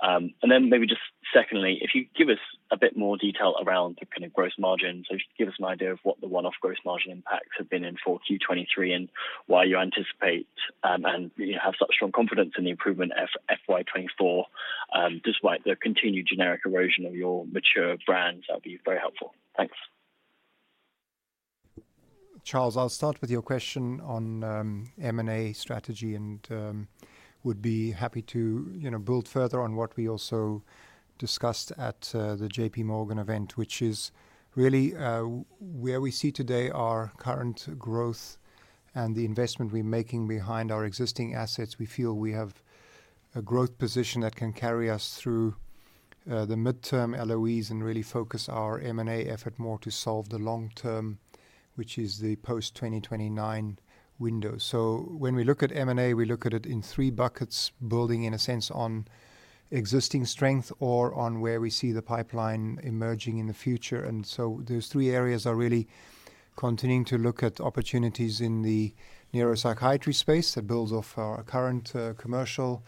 I: Then maybe just secondly, if you give us a bit more detail around the kind of gross margin. So just give us an idea of what the one-off gross margin impacts have been in 4Q 2023, and why you anticipate and you have such strong confidence in the improvement of FY 2024, despite the continued generic erosion of your mature brands. That'd be very helpful. Thanks.
A: Charles, I'll start with your question on M&A strategy and would be happy to, you know, build further on what we also discussed at the JP Morgan event, which is really where we see today our current growth and the investment we're making behind our existing assets. We feel we have a growth position that can carry us through the midterm LOEs and really focus our M&A effort more to solve the long term, which is the post-2029 window. So when we look at M&A, we look at it in three buckets, building in a sense on existing strength or on where we see the pipeline emerging in the future. And so those three areas are really continuing to look at opportunities in the neuropsychiatry space that builds off our current commercial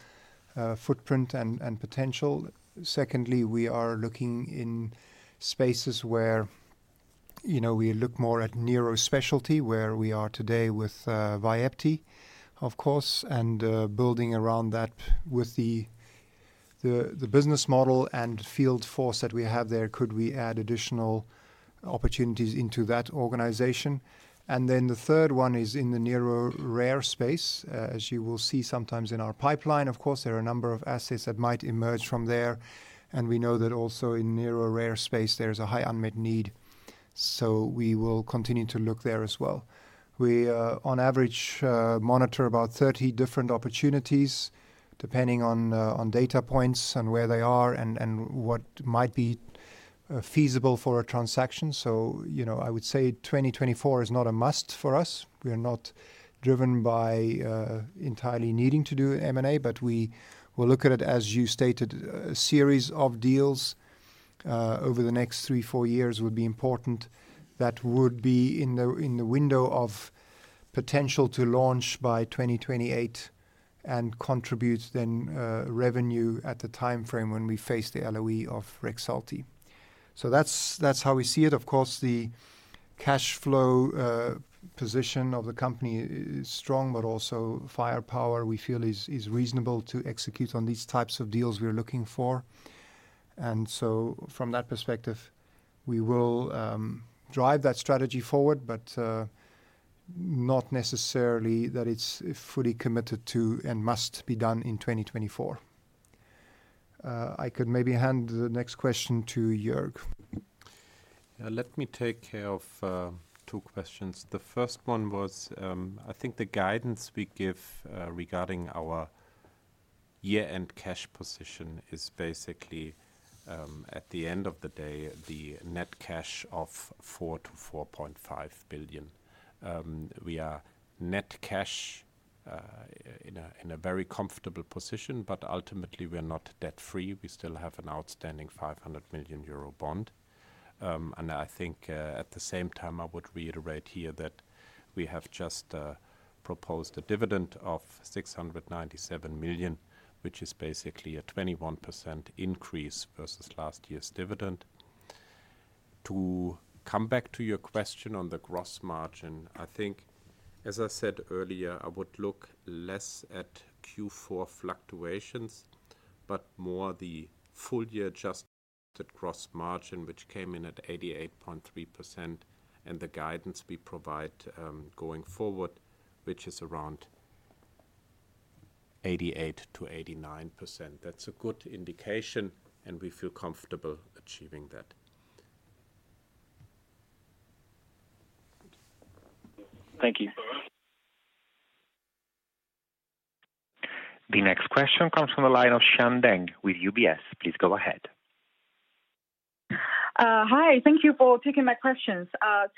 A: footprint and potential. Secondly, we are looking in spaces where, you know, we look more at neuro specialty, where we are today with Vyepti, of course, and building around that with the business model and field force that we have there, could we add additional opportunities into that organization? And then the third one is in the neuro rare space. As you will see, sometimes in our pipeline, of course, there are a number of assets that might emerge from there, and we know that also in neuro rare space, there is a high unmet need. So we will continue to look there as well. We, on average, monitor about 30 different opportunities, depending on, on data points and where they are and, and what might be, feasible for a transaction. So, you know, I would say 2024 is not a must for us. We are not driven by, entirely needing to do M&A, but we will look at it, as you stated, a series of deals, over the next three-four years would be important. That would be in the, in the window of potential to launch by 2028 and contribute then, revenue at the timeframe when we face the LOE of Rexulti. So that's, that's how we see it. Of course, the cash flow position of the company is strong, but also firepower we feel is reasonable to execute on these types of deals we're looking for. And so from that perspective, we will drive that strategy forward, but not necessarily that it's fully committed to and must be done in 2024. I could maybe hand the next question to Joerg.
E: Let me take care of two questions. The first one was, I think the guidance we give regarding our year-end cash position is basically, at the end of the day, the net cash of 4 billion-4.5 billion. We are net cash in a very comfortable position, but ultimately, we are not debt-free. We still have an outstanding 500 million euro bond. And I think, at the same time, I would reiterate here that we have just proposed a dividend of 697 million, which is basically a 21% increase versus last year's dividend. To come back to your question on the gross margin, I think, as I said earlier, I would look less at Q4 fluctuations, but more the full year adjusted gross margin, which came in at 88.3%, and the guidance we provide, going forward, which is around 88%-89%. That's a good indication, and we feel comfortable achieving that.
I: Thank you.
F: The next question comes from the line of Xian Deng with UBS. Please go ahead.
J: Hi, thank you for taking my questions.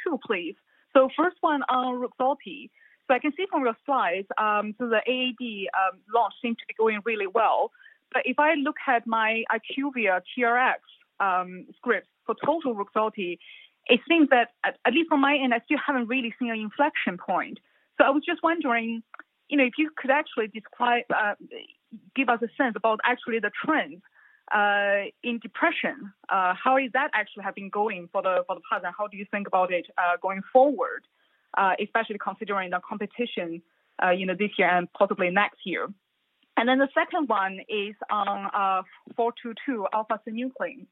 J: Two, please. So first one on Rexulti. So I can see from your slides, so the AAD launch seems to be going really well. But if I look at my IQVIA TRX script for total Rexulti, it seems that, at least from my end, I still haven't really seen an inflection point. So I was just wondering, you know, if you could actually describe, give us a sense about actually the trend in depression. How is that actually having going for the past, and how do you think about it going forward, especially considering the competition, you know, this year and possibly next year? And then the second one is on 422 alpha-synuclein.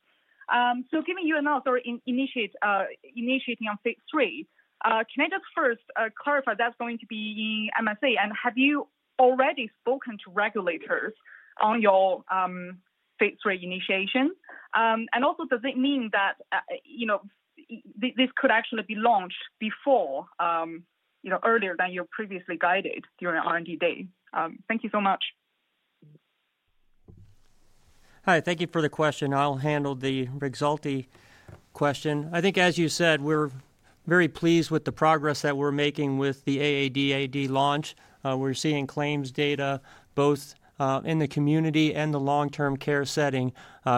J: So, giving you an update on initiating phase III, can I just first clarify that's going to be MSA, and have you already spoken to regulators on your phase III initiation? And also, does it mean that, you know, this, this could actually be launched before, you know, earlier than you previously guided during R&D day? Thank you so much.
B: Hi, thank you for the question. I'll handle the Rexulti question. I think, as you said, we're very pleased with the progress that we're making with the AADAD launch. We're seeing claims data both in the community and the long-term care setting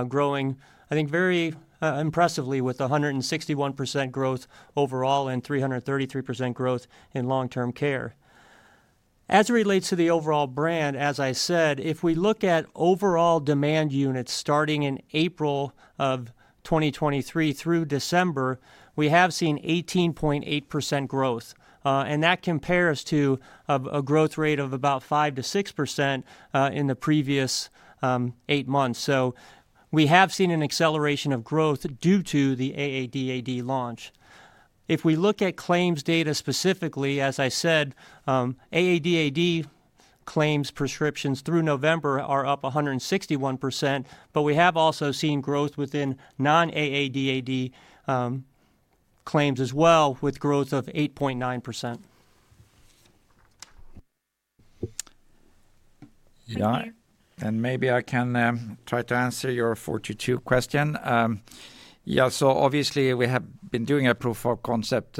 B: growing, I think very impressively with 161% growth overall and 333% growth in long-term care. As it relates to the overall brand, as I said, if we look at overall demand units starting in April 2023 through December, we have seen 18.8% growth. And that compares to a growth rate of about 5%-6% in the previous 8 months. So we have seen an acceleration of growth due to the AADAD launch. If we look at claims data specifically, as I said, AADAD claims prescriptions through November are up 161%, but we have also seen growth within non-AADAD claims as well, with growth of 8.9%.
E: Yeah, and maybe I can try to answer your 422 question. Yeah, so obviously we have been doing a proof of concept,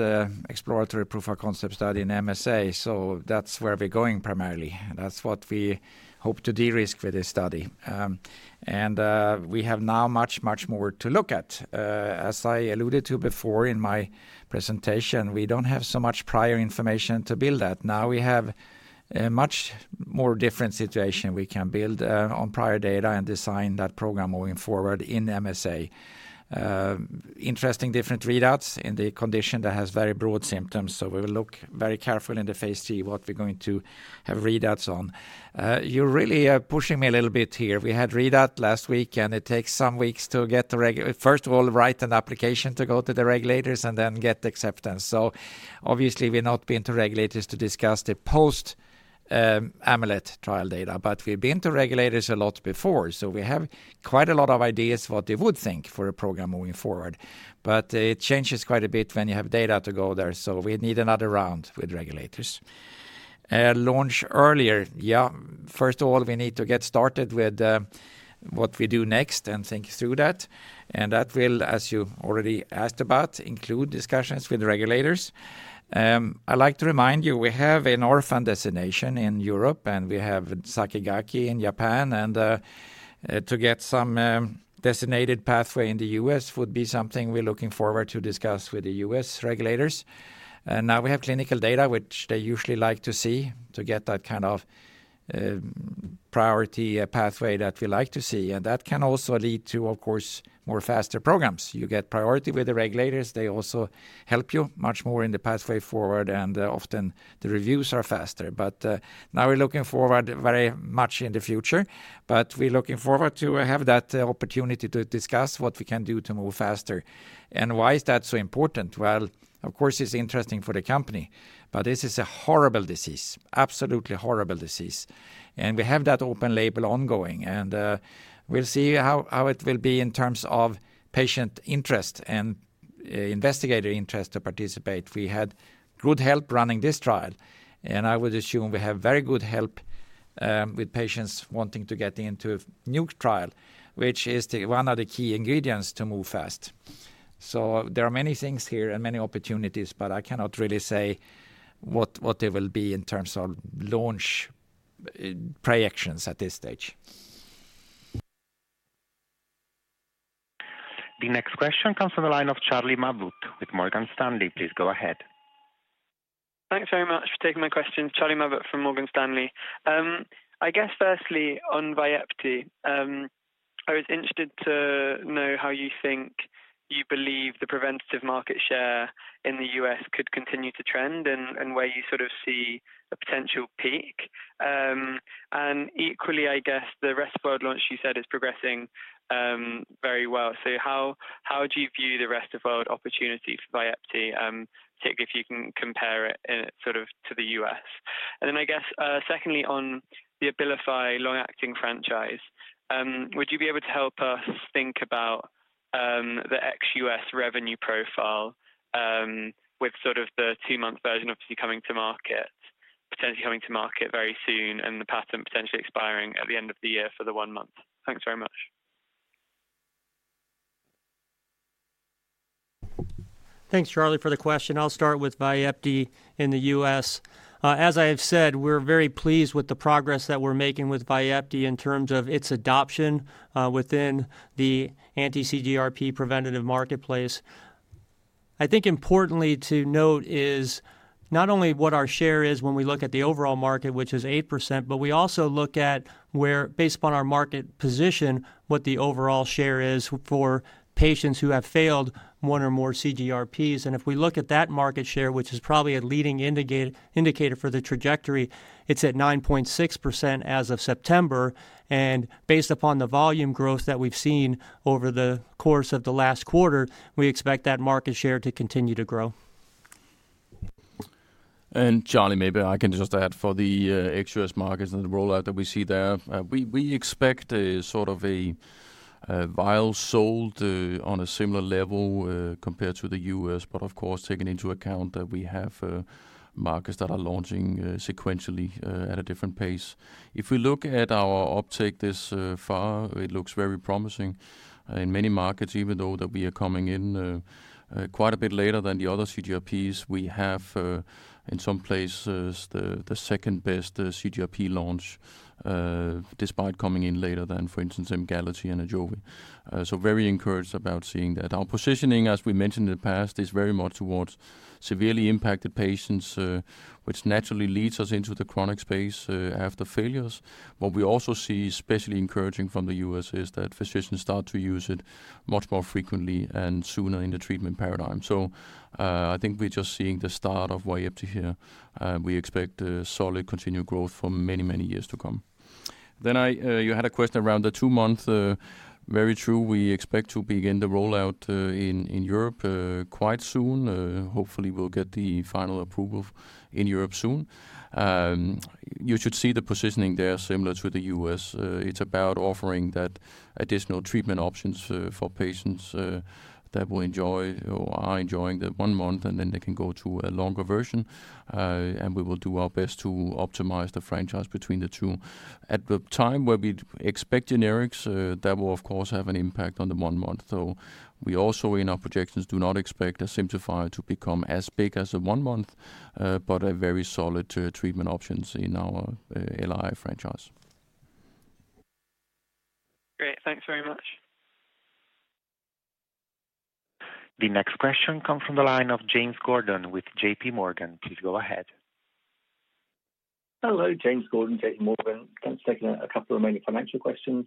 E: exploratory proof of concept study in MSA, so that's where we're going primarily. That's what we hope to de-risk with this study. And, we have now much, much more to look at. As I alluded to before in my presentation, we don't have so much prior information to build at. Now we have a much more different situation. We can build, on prior data and design that program moving forward in MSA. Interesting different readouts in the condition that has very broad symptoms, so we will look very carefully in the phase III what we're going to have readouts on. You're really, pushing me a little bit here. We had readout last week, and it takes some weeks. First of all, write an application to go to the regulators and then get the acceptance. So obviously, we've not been to regulators to discuss the post-AMULET trial data, but we've been to regulators a lot before, so we have quite a lot of ideas what they would think for a program moving forward. But it changes quite a bit when you have data to go there, so we need another round with regulators. Launch earlier. Yeah, first of all, we need to get started with what we do next and think through that, and that will, as you already asked about, include discussions with the regulators. I'd like to remind you, we have an orphan designation in Europe, and we have Sakigake in Japan, and to get some designated pathway in the U.S. would be something we're looking forward to discuss with the U.S. regulators. And now we have clinical data, which they usually like to see, to get that kind of priority pathway that we like to see. And that can also lead to, of course, more faster programs. You get priority with the regulators, they also help you much more in the pathway forward, and often the reviews are faster. Now we're looking forward very much in the future, but we're looking forward to have that opportunity to discuss what we can do to move faster. Why is that so important? Well, of course, it's interesting for the company, but this is a horrible disease, absolutely horrible disease. We have that open label ongoing, and we'll see how it will be in terms of patient interest and investigator interest to participate. We had good help running this trial, and I would assume we have very good help with patients wanting to get into a new trial, which is one of the key ingredients to move fast. There are many things here and many opportunities, but I cannot really say what they will be in terms of launch projections at this stage.
F: The next question comes from the line of Charlie Mabbutt with Morgan Stanley. Please go ahead.
K: Thanks very much for taking my question. Charlie Mabbutt from Morgan Stanley. I guess firstly, on Vyepti, I was interested to know how you think you believe the preventive market share in the U.S. could continue to trend and where you sort of see a potential peak? And equally, I guess the rest of world launch you said is progressing very well. So how would you view the rest of world opportunity for Vyepti, particularly if you can compare it in sort of to the U.S.? I guess, secondly, on the Abilify long-acting franchise, would you be able to help us think about the ex-U.S. revenue profile, with sort of the two-month version obviously potentially coming to market very soon and the patent potentially expiring at the end of the year for the one-month? Thanks very much.
B: Thanks, Charlie, for the question. I'll start with Vyepti in the U.S. As I have said, we're very pleased with the progress that we're making with Vyepti in terms of its adoption within the anti-CGRP preventative marketplace. I think importantly to note is not only what our share is when we look at the overall market, which is 8%, but we also look at where, based upon our market position, what the overall share is for patients who have failed one or more CGRPs. And if we look at that market share, which is probably a leading indicator for the trajectory, it's at 9.6% as of September, and based upon the volume growth that we've seen over the course of the last quarter, we expect that market share to continue to grow.
C: And Charlie, maybe I can just add for the ex-US markets and the rollout that we see there. We expect a sort of a vial sold on a similar level compared to the US, but of course, taking into account that we have markets that are launching sequentially at a different pace. If we look at our uptake this far, it looks very promising. In many markets, even though that we are coming in quite a bit later than the other CGRPs, we have in some places the second best CGRP launch despite coming in later than, for instance, Aimovig and Ajovy. So very encouraged about seeing that. Our positioning, as we mentioned in the past, is very much towards severely impacted patients, which naturally leads us into the chronic space after failures. What we also see, especially encouraging from the U.S., is that physicians start to use it much more frequently and sooner in the treatment paradigm. So, I think we're just seeing the start of Vyepti here, and we expect a solid continued growth for many, many years to come. Then I, you had a question around the two-month. Very true, we expect to begin the rollout in Europe quite soon. Hopefully, we'll get the final approval in Europe soon. You should see the positioning there similar to the U.S. It's about offering that additional treatment options for patients that will enjoy or are enjoying the one month, and then they can go to a longer version. We will do our best to optimize the franchise between the two. At the time where we'd expect generics, that will of course have an impact on the one month. We also, in our projections, do not expect Asimtufii to become as big as a one-month, but a very solid treatment options in our LAI franchise.
K: Great. Thanks very much.
F: The next question comes from the line of James Gordon with JPMorgan. Please go ahead.
L: Hello, James Gordon, JPMorgan. Just taking a couple of mainly financial questions.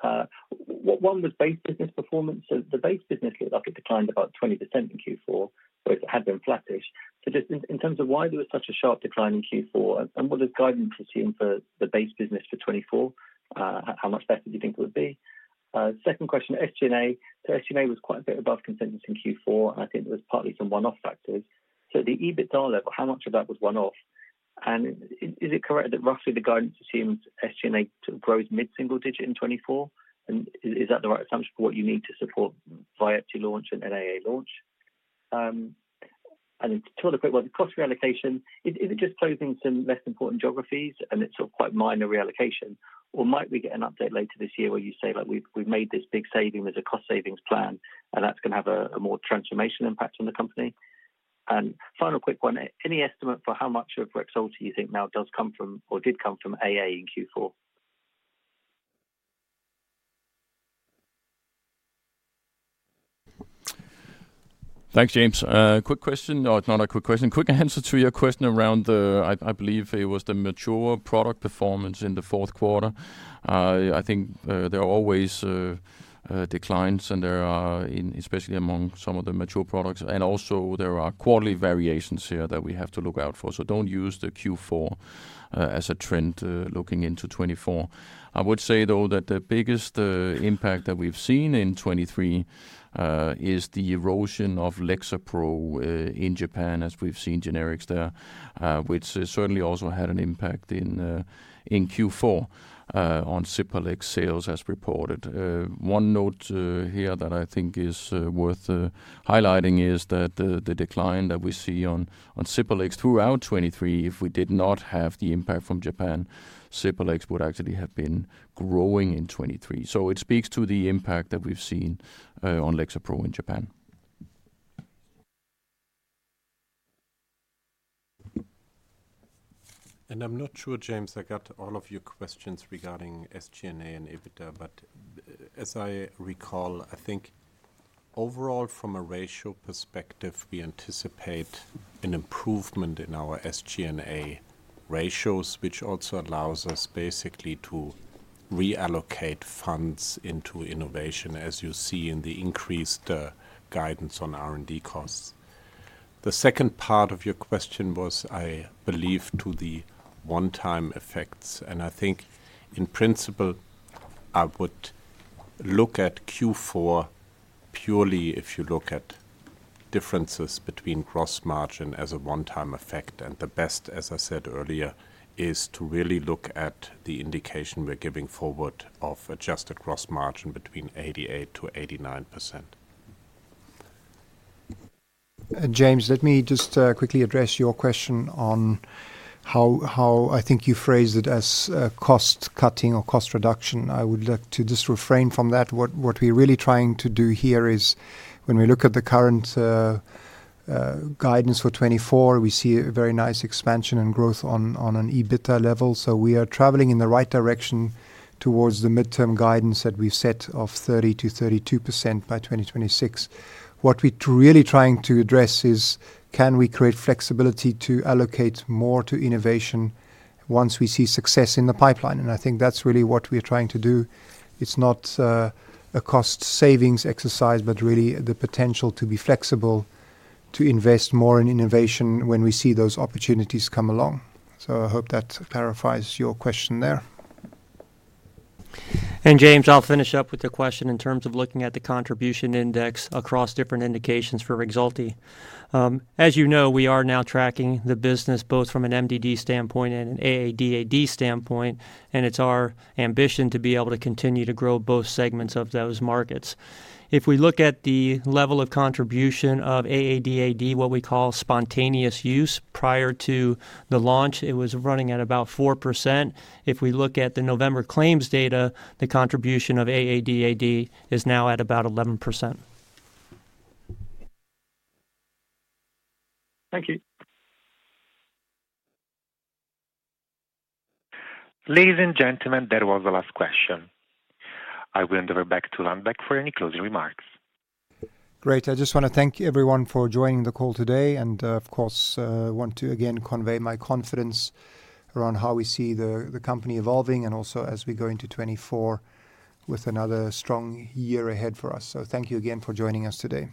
L: One, was base business performance. So the base business looked like it declined about 20% in Q4, so it had been flattish. So just in terms of why there was such a sharp decline in Q4, and what does guidance assume for the base business for 2024? How much better do you think it would be? Second question, SG&A. So SG&A was quite a bit above consensus in Q4, and I think there was partly some one-off factors. So, the EBITDA level, how much of that was one-off? And is it correct that roughly the guidance assumes SG&A to grow mid-single digit in 2024? And is that the right assumption for what you need to support Vyepti launch and AA launch? And then two other quick ones, the cost reallocation, is it just closing some less important geographies and it's sort of quite minor reallocation? Or might we get an update later this year where you say, like, "We've made this big saving as a cost savings plan, and that's gonna have a more transformational impact on the company?" And final quick one, any estimate for how much of Rexulti you think now does come from or did come from AA in Q4?
C: Thanks, James. Quick question. No, it's not a quick question. Quick answer to your question around the mature product performance in the fourth quarter. I think, there are always, declines and there are in, especially among some of the mature products, and also there are quarterly variations here that we have to look out for. So don't use the Q4 as a trend looking into 2024. I would say, though, that the biggest impact that we've seen in 2023 is the erosion of Lexapro in Japan, as we've seen generics there, which has certainly also had an impact in Q4 on Cipralex sales as reported. One note here that I think is worth highlighting is that the decline that we see on Cipralex throughout 2023, if we did not have the impact from Japan, Cipralex would actually have been growing in 2023. So it speaks to the impact that we've seen on Lexapro in Japan.
E: And I'm not sure, James, I got all of your questions regarding SG&A and EBITDA, but as I recall, I think overall, from a ratio perspective, we anticipate an improvement in our SG&A ratios, which also allows us basically to reallocate funds into innovation, as you see in the increased guidance on R&D costs. The second part of your question was, I believe, to the one-time effects, and I think in principle, I would look at Q4 purely if you look at differences between gross margin as a one-time effect, and the best, as I said earlier, is to really look at the indication we're giving forward of adjusted gross margin between 88%-89%.
A: James, let me just quickly address your question on how I think you phrased it as cost-cutting or cost reduction. I would like to just refrain from that. What we're really trying to do here is when we look at the current guidance for 2024, we see a very nice expansion and growth on an EBITDA level. So we are traveling in the right direction towards the midterm guidance that we've set of 30%-32% by 2026. What we're really trying to address is: can we create flexibility to allocate more to innovation once we see success in the pipeline? And I think that's really what we're trying to do. It's not a cost savings exercise, but really the potential to be flexible, to invest more in innovation when we see those opportunities come along. I hope that clarifies your question there.
B: James, I'll finish up with the question in terms of looking at the contribution index across different indications for Rexulti. As you know, we are now tracking the business both from an MDD standpoint and an AADAD standpoint, and it's our ambition to be able to continue to grow both segments of those markets. If we look at the level of contribution of AADAD, what we call spontaneous use, prior to the launch, it was running at about 4%. If we look at the November claims data, the contribution of AADAD is now at about 11%.
L: Thank you.
F: Ladies and gentlemen, that was the last question. I will hand over back to Lundbeck for any closing remarks.
A: Great. I just want to thank everyone for joining the call today and, of course, want to again convey my confidence around how we see the company evolving and also as we go into 2024 with another strong year ahead for us. Thank you again for joining us today.